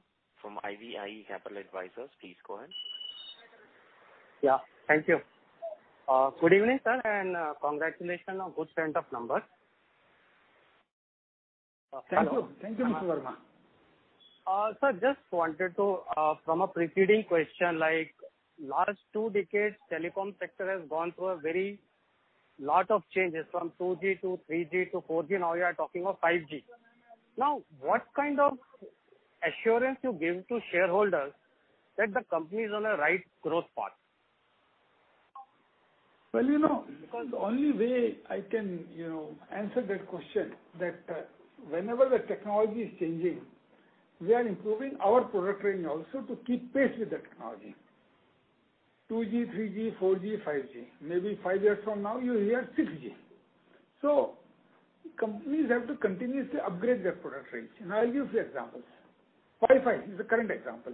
from IvyCap Ventures Advisors. Please go ahead. Yeah, thank you. Good evening, sir, and congratulations on good set of numbers. Thank you, Mr. Verma. Sir, just wanted to, from a preceding question, last two decades, telecom sector has gone through a lot of changes, from 2G to 3G to 4G, now we are talking of 5G. Now, what kind of assurance you give to shareholders that the company is on a right growth path? The only way I can answer that question, that whenever the technology is changing, we are improving our product range also to keep pace with the technology. 2G, 3G, 4G, 5G. Maybe five years from now, you'll hear 6G. Companies have to continuously upgrade their product range, and I'll give you examples. Wi-Fi is a current example.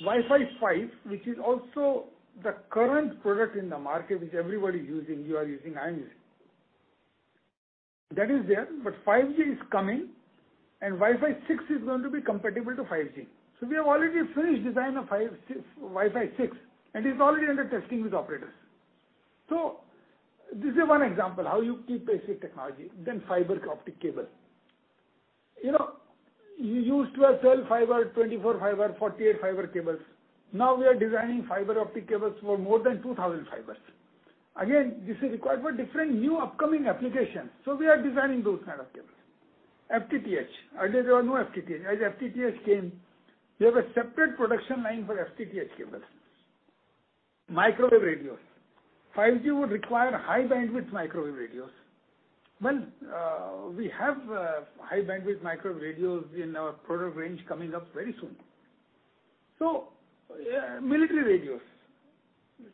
Wi-Fi 5, which is also the current product in the market, which everybody is using, you are using, I am using. That is there. 5G is coming. Wi-Fi 6 is going to be compatible to 5G. We have already finished design of Wi-Fi 6. It's already under testing with operators. This is one example how you keep pace with technology. Fiber optic cable. You used to have 12 fiber, 24 fiber, 48 fiber cables. We are designing fiber optic cables for more than 2,000 fibers. This is required for different new upcoming applications. We are designing those kind of cables. FTTH. Earlier, there was no FTTH. As FTTH came, we have a separate production line for FTTH cables. Microwave radios. 5G would require high bandwidth microwave radios. We have high bandwidth microwave radios in our product range coming up very soon. Military radios.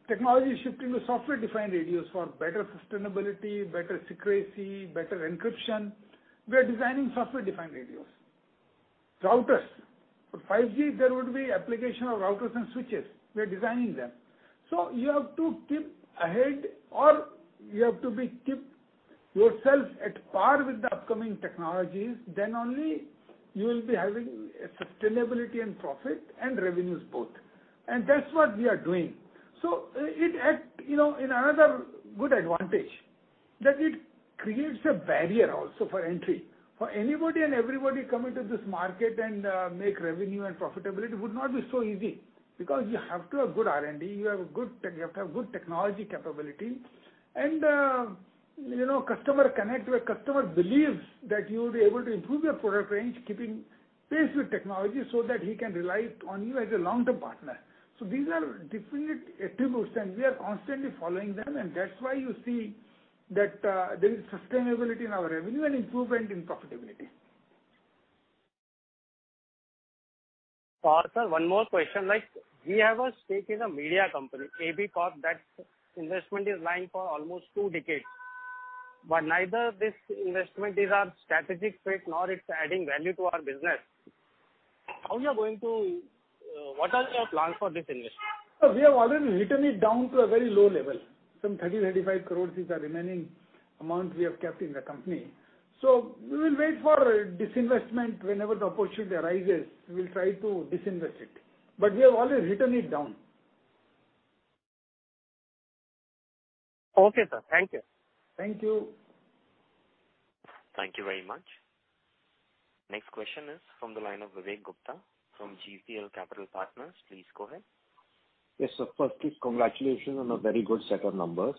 Technology is shifting to software-defined radios for better sustainability, better secrecy, better encryption. We are designing software-defined radios. Routers. For 5G, there would be application of routers and switches. We are designing them. You have to keep ahead, or you have to keep yourself at par with the upcoming technologies, only you will be having a sustainability and profit and revenues both. That's what we are doing. It had another good advantage, that it creates a barrier also for entry. For anybody and everybody coming to this market and make revenue and profitability would not be so easy, because you have to have good R&D, you have to have good technology capability. Customer connect, where customer believes that you will be able to improve your product range, keeping pace with technology so that he can rely on you as a long-term partner. These are definite attributes, and we are constantly following them, and that's why you see that there is sustainability in our revenue and improvement in profitability. Sir, one more question. We have a stake in a media company, AB Corp, that investment is lying for almost two decades. Neither this investment is our strategic fit, nor it's adding value to our business. What are your plans for this investment? Sir, we have already written it down to a very low level. Some 30-35 crores is the remaining amount we have kept in the company. We will wait for disinvestment. Whenever the opportunity arises, we will try to disinvest it. We have already written it down. Okay, sir. Thank you. Thank you. Thank you very much. Next question is from the line of Vivek Gupta from GEPL Capital Partners. Please go ahead. Yes, sir. Congratulations on a very good set of numbers.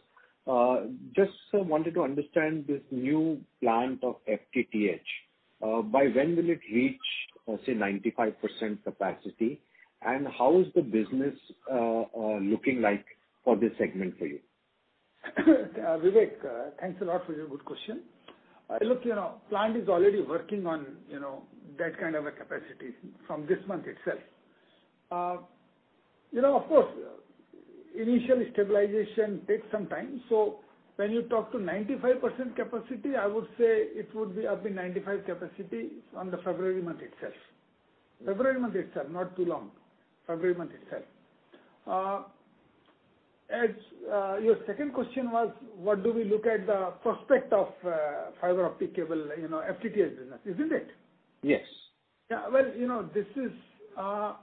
Just, sir, wanted to understand this new plant of FTTH. By when will it reach, say, 95% capacity? How is the business looking like for this segment for you? Vivek, thanks a lot for your good question. Look, plant is already working on that kind of a capacity from this month itself. Of course, initial stabilization takes some time. When you talk to 95% capacity, I would say it would be up in 95% capacity from the February month itself, not too long. Your second question was, what do we look at the prospect of fiber optic cable, FTTH business, isn't it? Yes. Well, this is a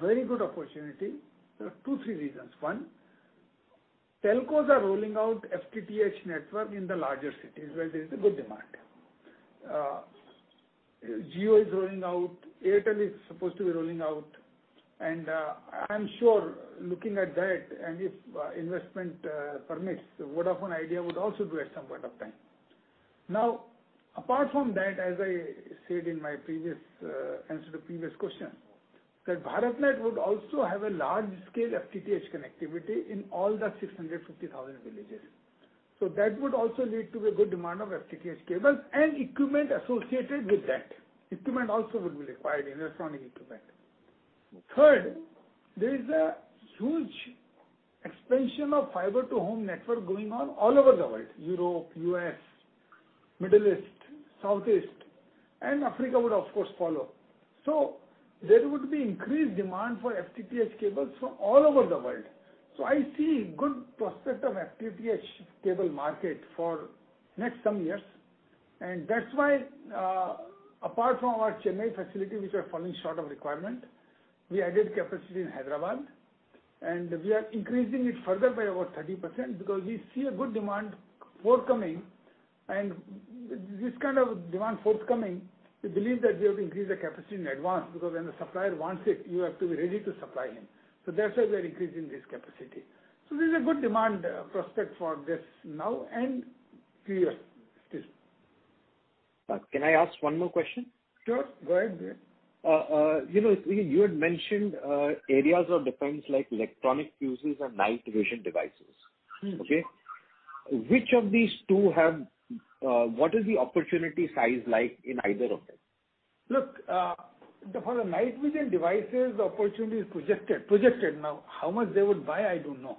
very good opportunity. There are two, three reasons. One, telcos are rolling out FTTH network in the larger cities where there is a good demand. Jio is rolling out, Airtel is supposed to be rolling out. I'm sure looking at that, and if investment permits, Vodafone Idea would also do at some point of time. Apart from that, as I said in my answer to previous question. That BharatNet would also have a large-scale FTTH connectivity in all the 650,000 villages. That would also lead to a good demand of FTTH cables and equipment associated with that. Equipment also would be required, electronic equipment. Third, there is a huge expansion of fiber to home network going on all over the world, Europe, U.S., Middle East, South East, and Africa would of course follow. There would be increased demand for FTTH cables from all over the world. I see good prospect of FTTH cable market for next some years. That's why, apart from our Chennai facility, which was falling short of requirement, we added capacity in Hyderabad, and we are increasing it further by about 30%, because we see a good demand forthcoming. This kind of demand forthcoming, we believe that we have to increase the capacity in advance, because when the supplier wants it, you have to be ready to supply him. That's why we are increasing this capacity. There's a good demand prospect for this now and few years still. Can I ask one more question? Sure. Go ahead. You had mentioned areas of defense like electronic fuses and night vision devices. Okay. What is the opportunity size like in either of them? Look, for the night vision devices, the opportunity is projected. Now, how much they would buy, I don't know.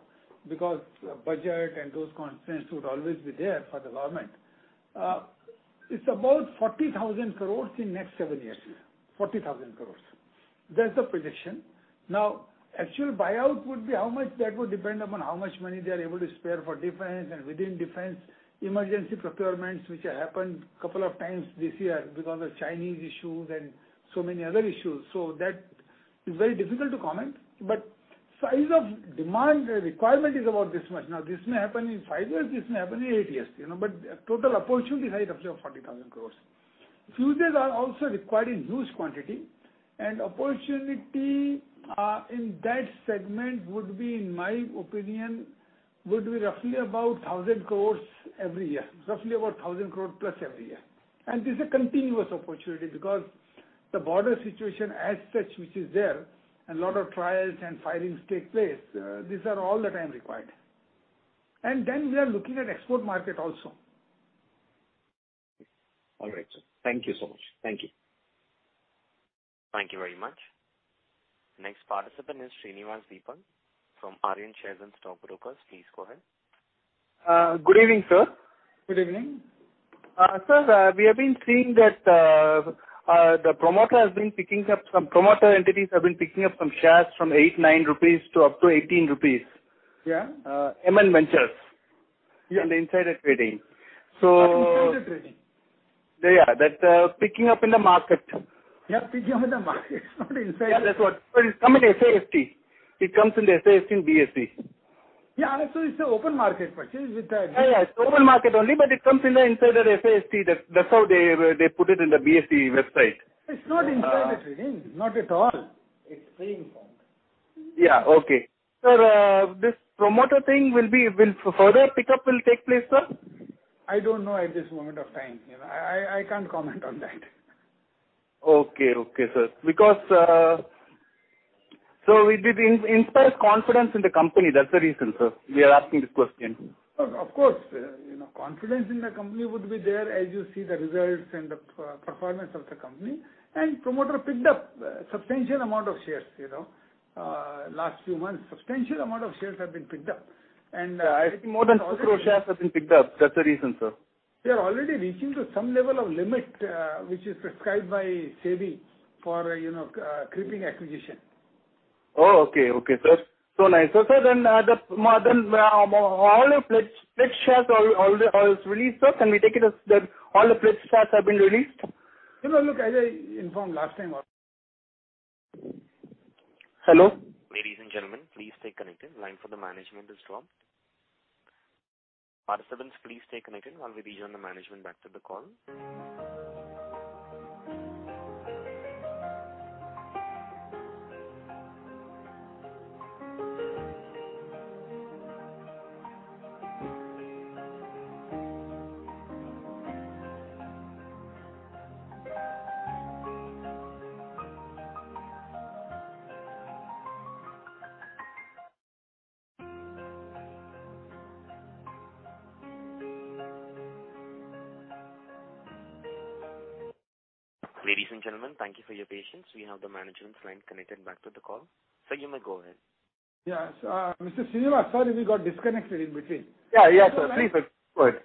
Budget and those constraints would always be there for the government. It's about 40,000 crores in next seven years. 40,000 crores. That's the projection. Now, actual buyout would be how much that would depend upon how much money they are able to spare for defense and within defense, emergency procurements, which happened couple of times this year because of Chinese issues and so many other issues. That is very difficult to comment. Size of demand requirement is about this much. Now, this may happen in five years, this may happen in eight years. Total opportunity size roughly of 40,000 crores. Fuses are also required in huge quantity, and opportunity in that segment would be, in my opinion, would be roughly about 1,000 crores every year. Roughly about 1,000 crore+ every year. This is a continuous opportunity because the border situation as such, which is there, and lot of trials and firings take place, these are all the time required. We are looking at export market also. All right, sir. Thank you so much. Thank you. Thank you very much. Next participant is Srinivas Deepan from Aryan Share and Stock Brokers. Please go ahead. Good evening, sir. Good evening. Sir, we have been seeing that some promoter entities have been picking up some shares from 8, 9 rupees to up to 18 rupees. Yeah. MN Ventures. Yeah. On the insider trading. On insider trading? Yeah, that picking up in the market. Yeah, picking up in the market, it's not insider trading. Yeah, that's what. It comes in SAST. It comes in the SAST and BSE. Yeah, it's open market purchase with the. Yeah. It's open market only, but it comes in the insider SAST. That's how they put it in the BSE website. It's not insider trading. Not at all. It's free and foremost. Yeah. Okay. Sir, this promoter thing, will further pickup will take place, sir? I don't know at this moment of time. I can't comment on that. Okay. Okay, sir. It inspires confidence in the company. That's the reason, sir, we are asking this question. Of course. Confidence in the company would be there as you see the results and the performance of the company. Promoter picked up substantial amount of shares. Last few months, substantial amount of shares have been picked up. I think more than two crore shares have been picked up. That's the reason, sir. We are already reaching to some level of limit, which is prescribed by SEBI for creeping acquisition. Oh, okay. Okay, sir. So nice. Sir, all your pledged shares are released, sir? Can we take it as all the pledged shares have been released? No, look, as I informed last time. Hello? Ladies and gentlemen, please stay connected. Line for the management is dropped. Participants, please stay connected while we rejoin the management back to the call. Ladies and gentlemen, thank you for your patience. We have the management's line connected back to the call. Sir, you may go ahead. Yes. Mr. Srinivas, sorry we got disconnected in between. Yeah. Sir, please go ahead.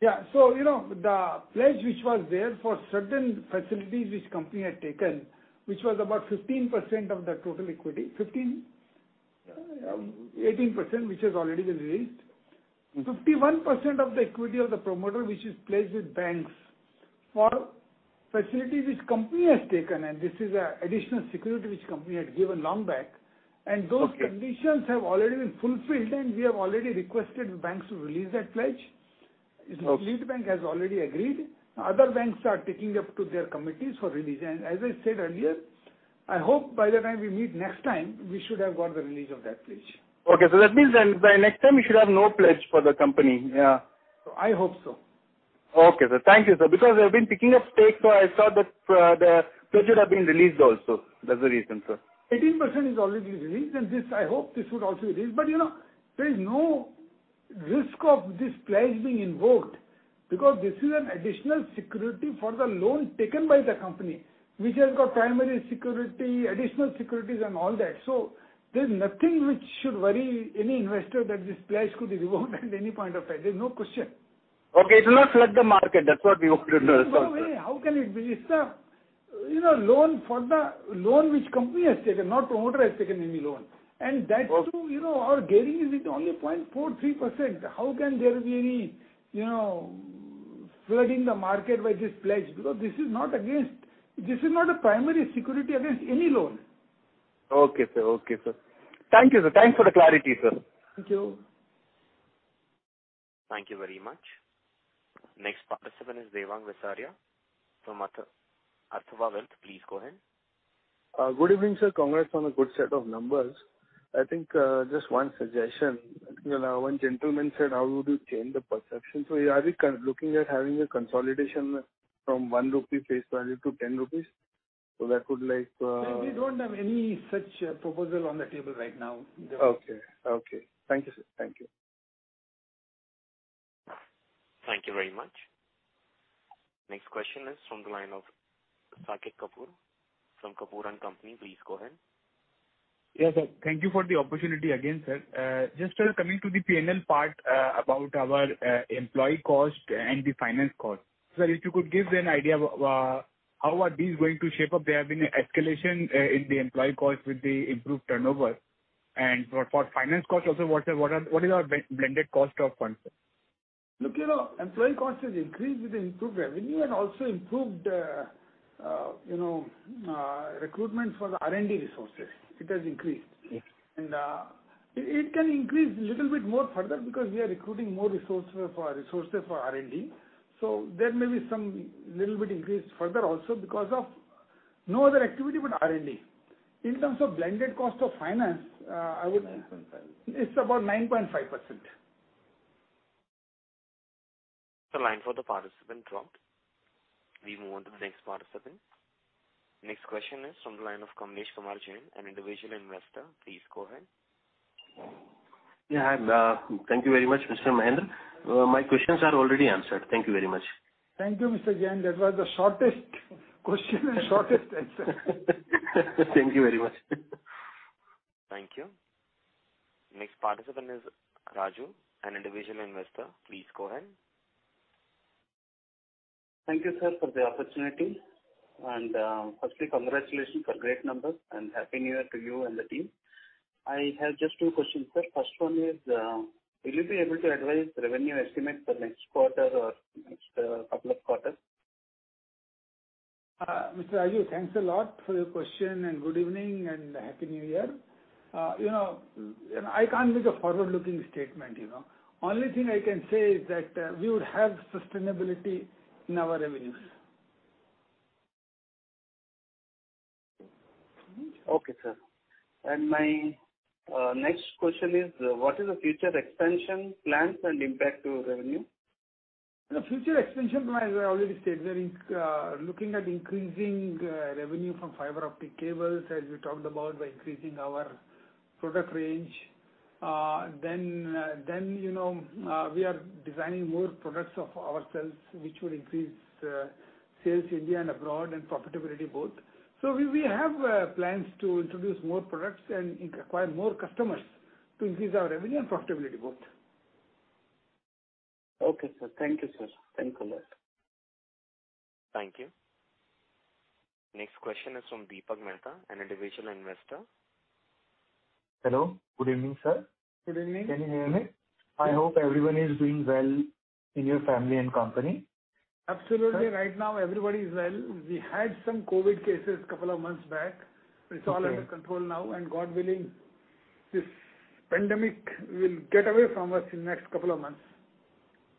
Yeah. The pledge which was there for certain facilities which company had taken, which was about 15% of the total equity, 18%, which has already been released. 51% of the equity of the promoter which is pledged with banks for facility which company has taken, and this is additional security which company had given long back. Okay conditions have already been fulfilled, and we have already requested banks to release that pledge. Okay. Lead bank has already agreed. Other banks are taking up to their committees for release. As I said earlier, I hope by the time we meet next time, we should have got the release of that pledge. Okay. That means then by next time you should have no pledge for the company. Yeah. I hope so. Okay, sir. Thank you, sir. They've been picking up stakes, so I saw that the pledge had been released also. That's the reason, sir. 18% is already released. I hope this would also release. There's no risk of this pledge being invoked because this is an additional security for the loan taken by the company, which has got primary security, additional securities, and all that. There's nothing which should worry any investor that this pledge could be revoked at any point of time. There's no question. Okay. It will not flood the market. That's what we wanted to know, sir. No way. How can it be? It's the loan which company has taken, not promoter has taken any loan. That too, our gearing is only 0.43%. How can there be any flooding the market by this pledge? This is not a primary security against any loan. Okay, sir. Thank you, sir. Thanks for the clarity, sir. Thank you. Thank you very much. Next participant is Devang Visaria from Atharva Wealth. Please go ahead. Good evening, sir. Congrats on a good set of numbers. I think, just one suggestion. One gentleman said, how would you change the perception? Are you looking at having a consolidation from 1 rupee face value to 10 rupees? No, we don't have any such proposal on the table right now, Devang. Okay. Thank you, sir. Thank you. Thank you very much. Next question is from the line of Saket Kapoor from Kapoor & Company. Please go ahead. Yes, sir. Thank you for the opportunity again, sir. Sir, coming to the P&L part, about our employee cost and the finance cost. Sir, if you could give an idea of how are these going to shape up? There have been an escalation in the employee cost with the improved turnover. For finance cost also, what is our blended cost of funds, sir? Look, employee cost has increased with the improved revenue and also improved recruitment for the R&D resources. It has increased. Yes. It can increase little bit more further because we are recruiting more resources for R&D. There may be some little bit increase further also because of no other activity but R&D. 9.5. It's about 9.5%. The line for the participant dropped. We move on to the next participant. Next question is from the line of Kamlesh Kumar Jain, an individual investor. Please go ahead. Yeah, hi. Thank you very much, Mr. Mahendra. My questions are already answered. Thank you very much. Thank you, Mr. Jain. That was the shortest question and shortest answer. Thank you very much. Thank you. Next participant is Raju, an individual investor. Please go ahead. Thank you, sir, for the opportunity. Firstly, congratulations for great numbers and Happy New Year to you and the team. I have just two questions, sir. First one is, will you be able to advise revenue estimate for next quarter or next couple of quarters? Mr. Raju, thanks a lot for your question, and good evening, and Happy New Year. I can't give a forward-looking statement. Only thing I can say is that we would have sustainability in our revenues. Okay, sir. My next question is, what is the future expansion plans and impact to revenue? The future expansion plan, as I already stated, is looking at increasing revenue from fiber optic cables, as we talked about, by increasing our product range. We are designing more products of ourselves, which will increase sales India and abroad, and profitability both. We have plans to introduce more products and acquire more customers to increase our revenue and profitability both. Okay, sir. Thank you, sir. Thanks a lot. Thank you. Next question is from Deepan Mehta, an individual investor. Hello. Good evening, sir. Good evening. Can you hear me? I hope everyone is doing well in your family and company. Absolutely. Right now, everybody is well. We had some COVID cases a couple of months back. Okay. It's all under control now, and God willing, this pandemic will get away from us in next couple of months.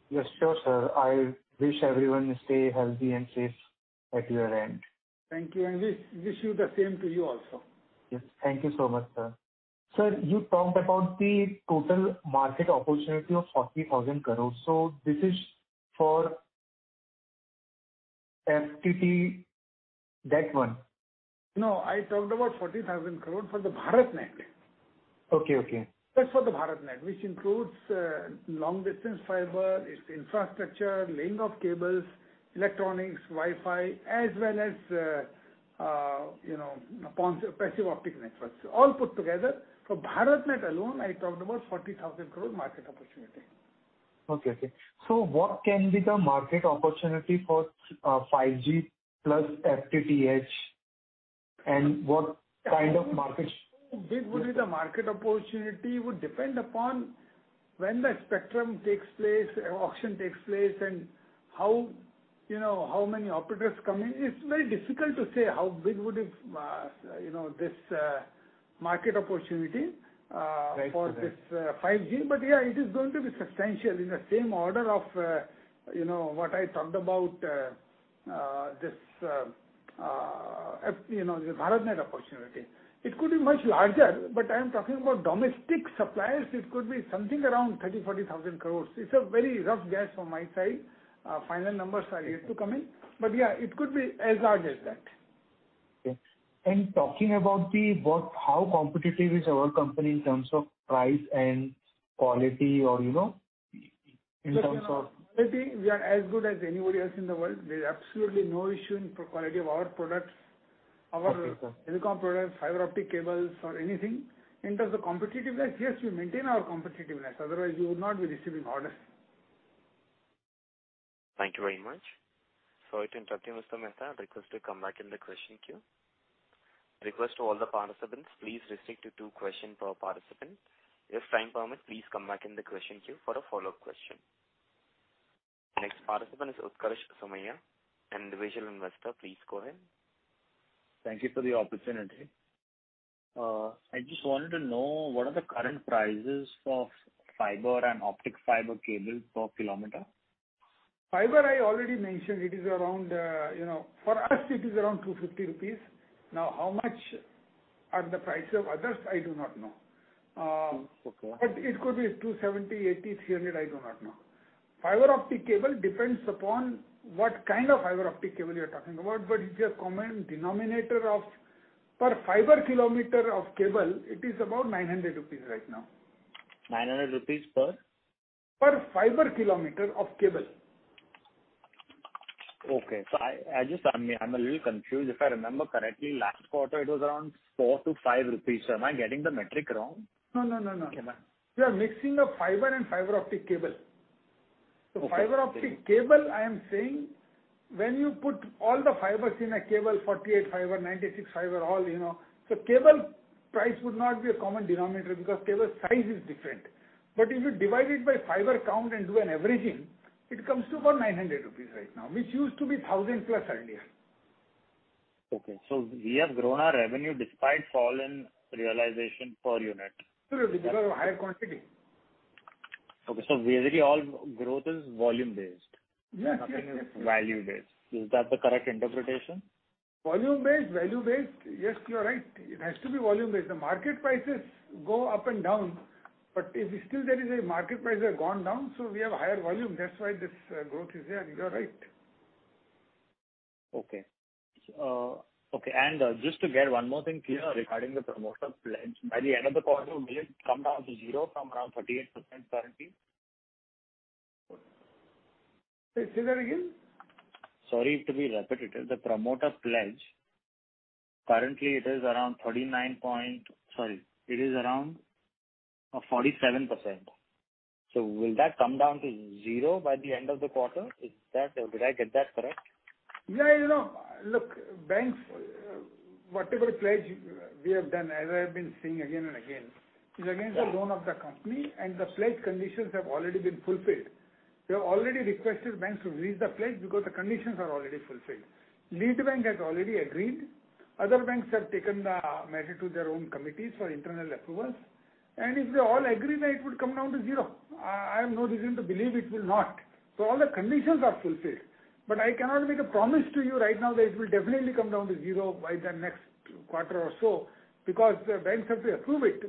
Yes, sure, sir. I wish everyone to stay healthy and safe at your end. Thank you. Wish you the same to you also. Yes. Thank you so much, sir. Sir, you talked about the total market opportunity of 40,000 crores. This is for FTTH, that one? No, I talked about 40,000 crores for the BharatNet. Okay. That's for the BharatNet, which includes long-distance fiber, its infrastructure, laying of cables, electronics, Wi-Fi, as well as passive optic networks. All put together, for BharatNet alone, I talked about 40,000 crores market opportunity. Okay. What can be the market opportunity for 5G plus FTTH, and what kind of market? How big would be the market opportunity would depend upon when the spectrum takes place, auction takes place, and how many operators come in. It's very difficult to say how big would this market opportunity. Right for this 5G. Yeah, it is going to be substantial in the same order of what I talked about. This BharatNet opportunity. It could be much larger, but I am talking about domestic suppliers. It could be something around 30,000 crore-40,000 crore. It's a very rough guess from my side. Final numbers are yet to come in. Yeah, it could be as large as that. Okay. Talking about how competitive is our company in terms of price and quality, or in terms of- We are as good as anybody else in the world. There's absolutely no issue in quality of our products. Okay. Our telecom products, fiber optic cables, or anything. In terms of competitiveness, yes, we maintain our competitiveness, otherwise we would not be receiving orders. Thank you very much. Sorry to interrupt you, Mr. Mehta. Request to come back in the question queue. Request to all the participants, please restrict to two questions per participant. If time permits, please come back in the question queue for a follow-up question. Next participant is Utkarsh Somaiya, individual investor. Please go ahead. Thank you for the opportunity. I just wanted to know what are the current prices of fibre and optical fibre cable per kilometer? Fiber, I already mentioned, for us it is around 250 rupees. How much are the price of others, I do not know. Okay. It could be 270, 280, 300, I do not know. Fiber optic cable depends upon what kind of fiber optic cable you're talking about, but it's a common denominator of per fiber kilometer of cable, it is about 900 rupees right now. 900 rupees per? Per fiber kilometer of cable. Okay. I'm a little confused. If I remember correctly, last quarter it was around 4-5 rupees. Am I getting the metric wrong? No. Okay. You are mixing up fiber and fiber optic cable. Okay. Fiber optic cable, I am saying, when you put all the fibers in a cable, 48 fiber, 96 fiber, all. Cable price would not be a common denominator because cable size is different. If you divide it by fiber count and do an averaging, it comes to about 900 rupees right now, which used to be thousand plus earlier. Okay. We have grown our revenue despite fall in realization per unit. Sure, because of higher quantity. Okay, basically all growth is volume-based. Yes. Nothing is value-based. Is that the correct interpretation? Volume-based, value-based. Yes, you're right. It has to be volume-based. The market prices go up and down. Still there is a market price that have gone down, so we have a higher volume. That's why this growth is there. You're right. Okay. Just to get one more thing clear regarding the promoter pledge. By the end of the quarter, will it come down to zero from around 38% currently? Say that again. Sorry to be repetitive. The promoter pledge, currently it is around 47%. Will that come down to zero by the end of the quarter? Did I get that correct? Yeah. Look, banks, whatever pledge we have done, as I have been saying again and again, is against the loan of the company, and the pledge conditions have already been fulfilled. We have already requested banks to release the pledge because the conditions are already fulfilled. Lead bank has already agreed. Other banks have taken the matter to their own committees for internal approvals. If they all agree, it would come down to zero. I have no reason to believe it will not. All the conditions are fulfilled. I cannot make a promise to you right now that it will definitely come down to zero by the next quarter or so, because the banks have to approve it.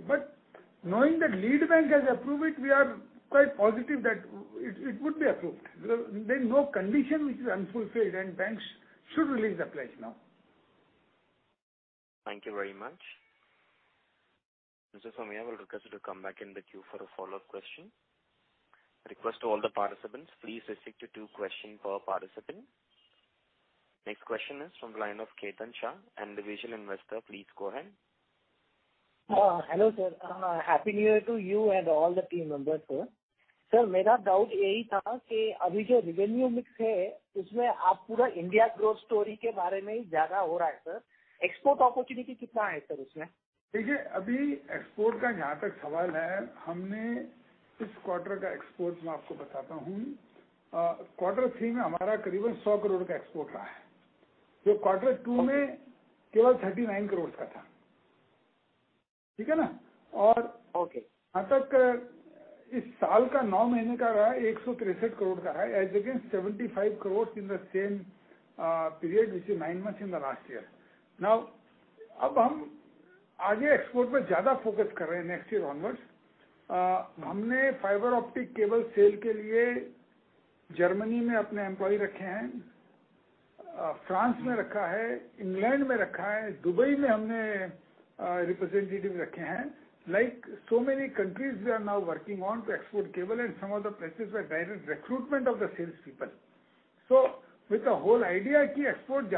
Knowing that lead bank has approved it, we are quite positive that it would be approved. There's no condition which is unfulfilled, and banks should release the pledge now. Thank you very much. Mr. Somaiya, I will request you to come back in the queue for a follow-up question. Request to all the participants, please restrict to two question per participant. Next question is from the line of Ketan Shah, an individual investor. Please go ahead. Hello, sir. Happy New Year to you and all the team members, sir. Sir, revenue mix India growth story export opportunity? [export Quarter three export Quarter two INR 39 crore]. Okay. Nine months as against INR 75 crores in the same period, which is nine months in the last year. Export next year onwards. Fiber optic cable sale Germany, France, England, Dubai representative. Many countries we are now working on to export cable, and some of the places were direct recruitment of the sales people. With the whole idea export.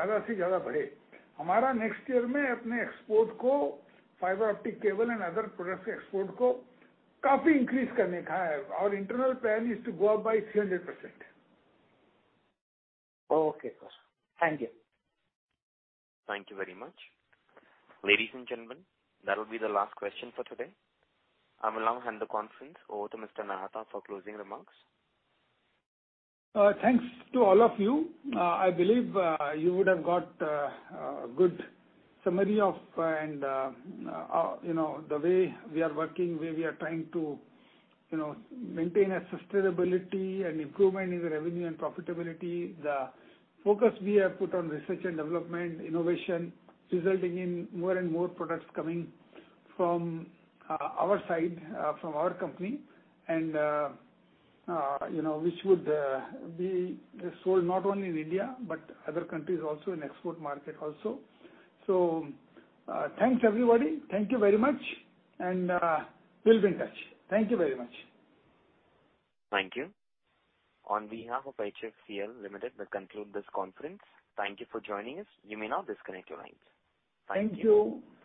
Next year export fiber optic cable and other products export. Our internal plan is to go up by 300%. Okay, sir. Thank you. Thank you very much. Ladies and gentlemen, that will be the last question for today. I will now hand the conference over to Mr. Nahata for closing remarks. Thanks to all of you. I believe you would have got a good summary of the way we are working, where we are trying to maintain a sustainability and improvement in the revenue and profitability. The focus we have put on research and development, innovation, resulting in more and more products coming from our side, from our company, and which would be sold not only in India, but other countries also, in export market also. Thanks, everybody. Thank you very much, and we'll be in touch. Thank you very much. Thank you. On behalf of HFCL Limited, we conclude this conference. Thank you for joining us. You may now disconnect your lines. Thank you.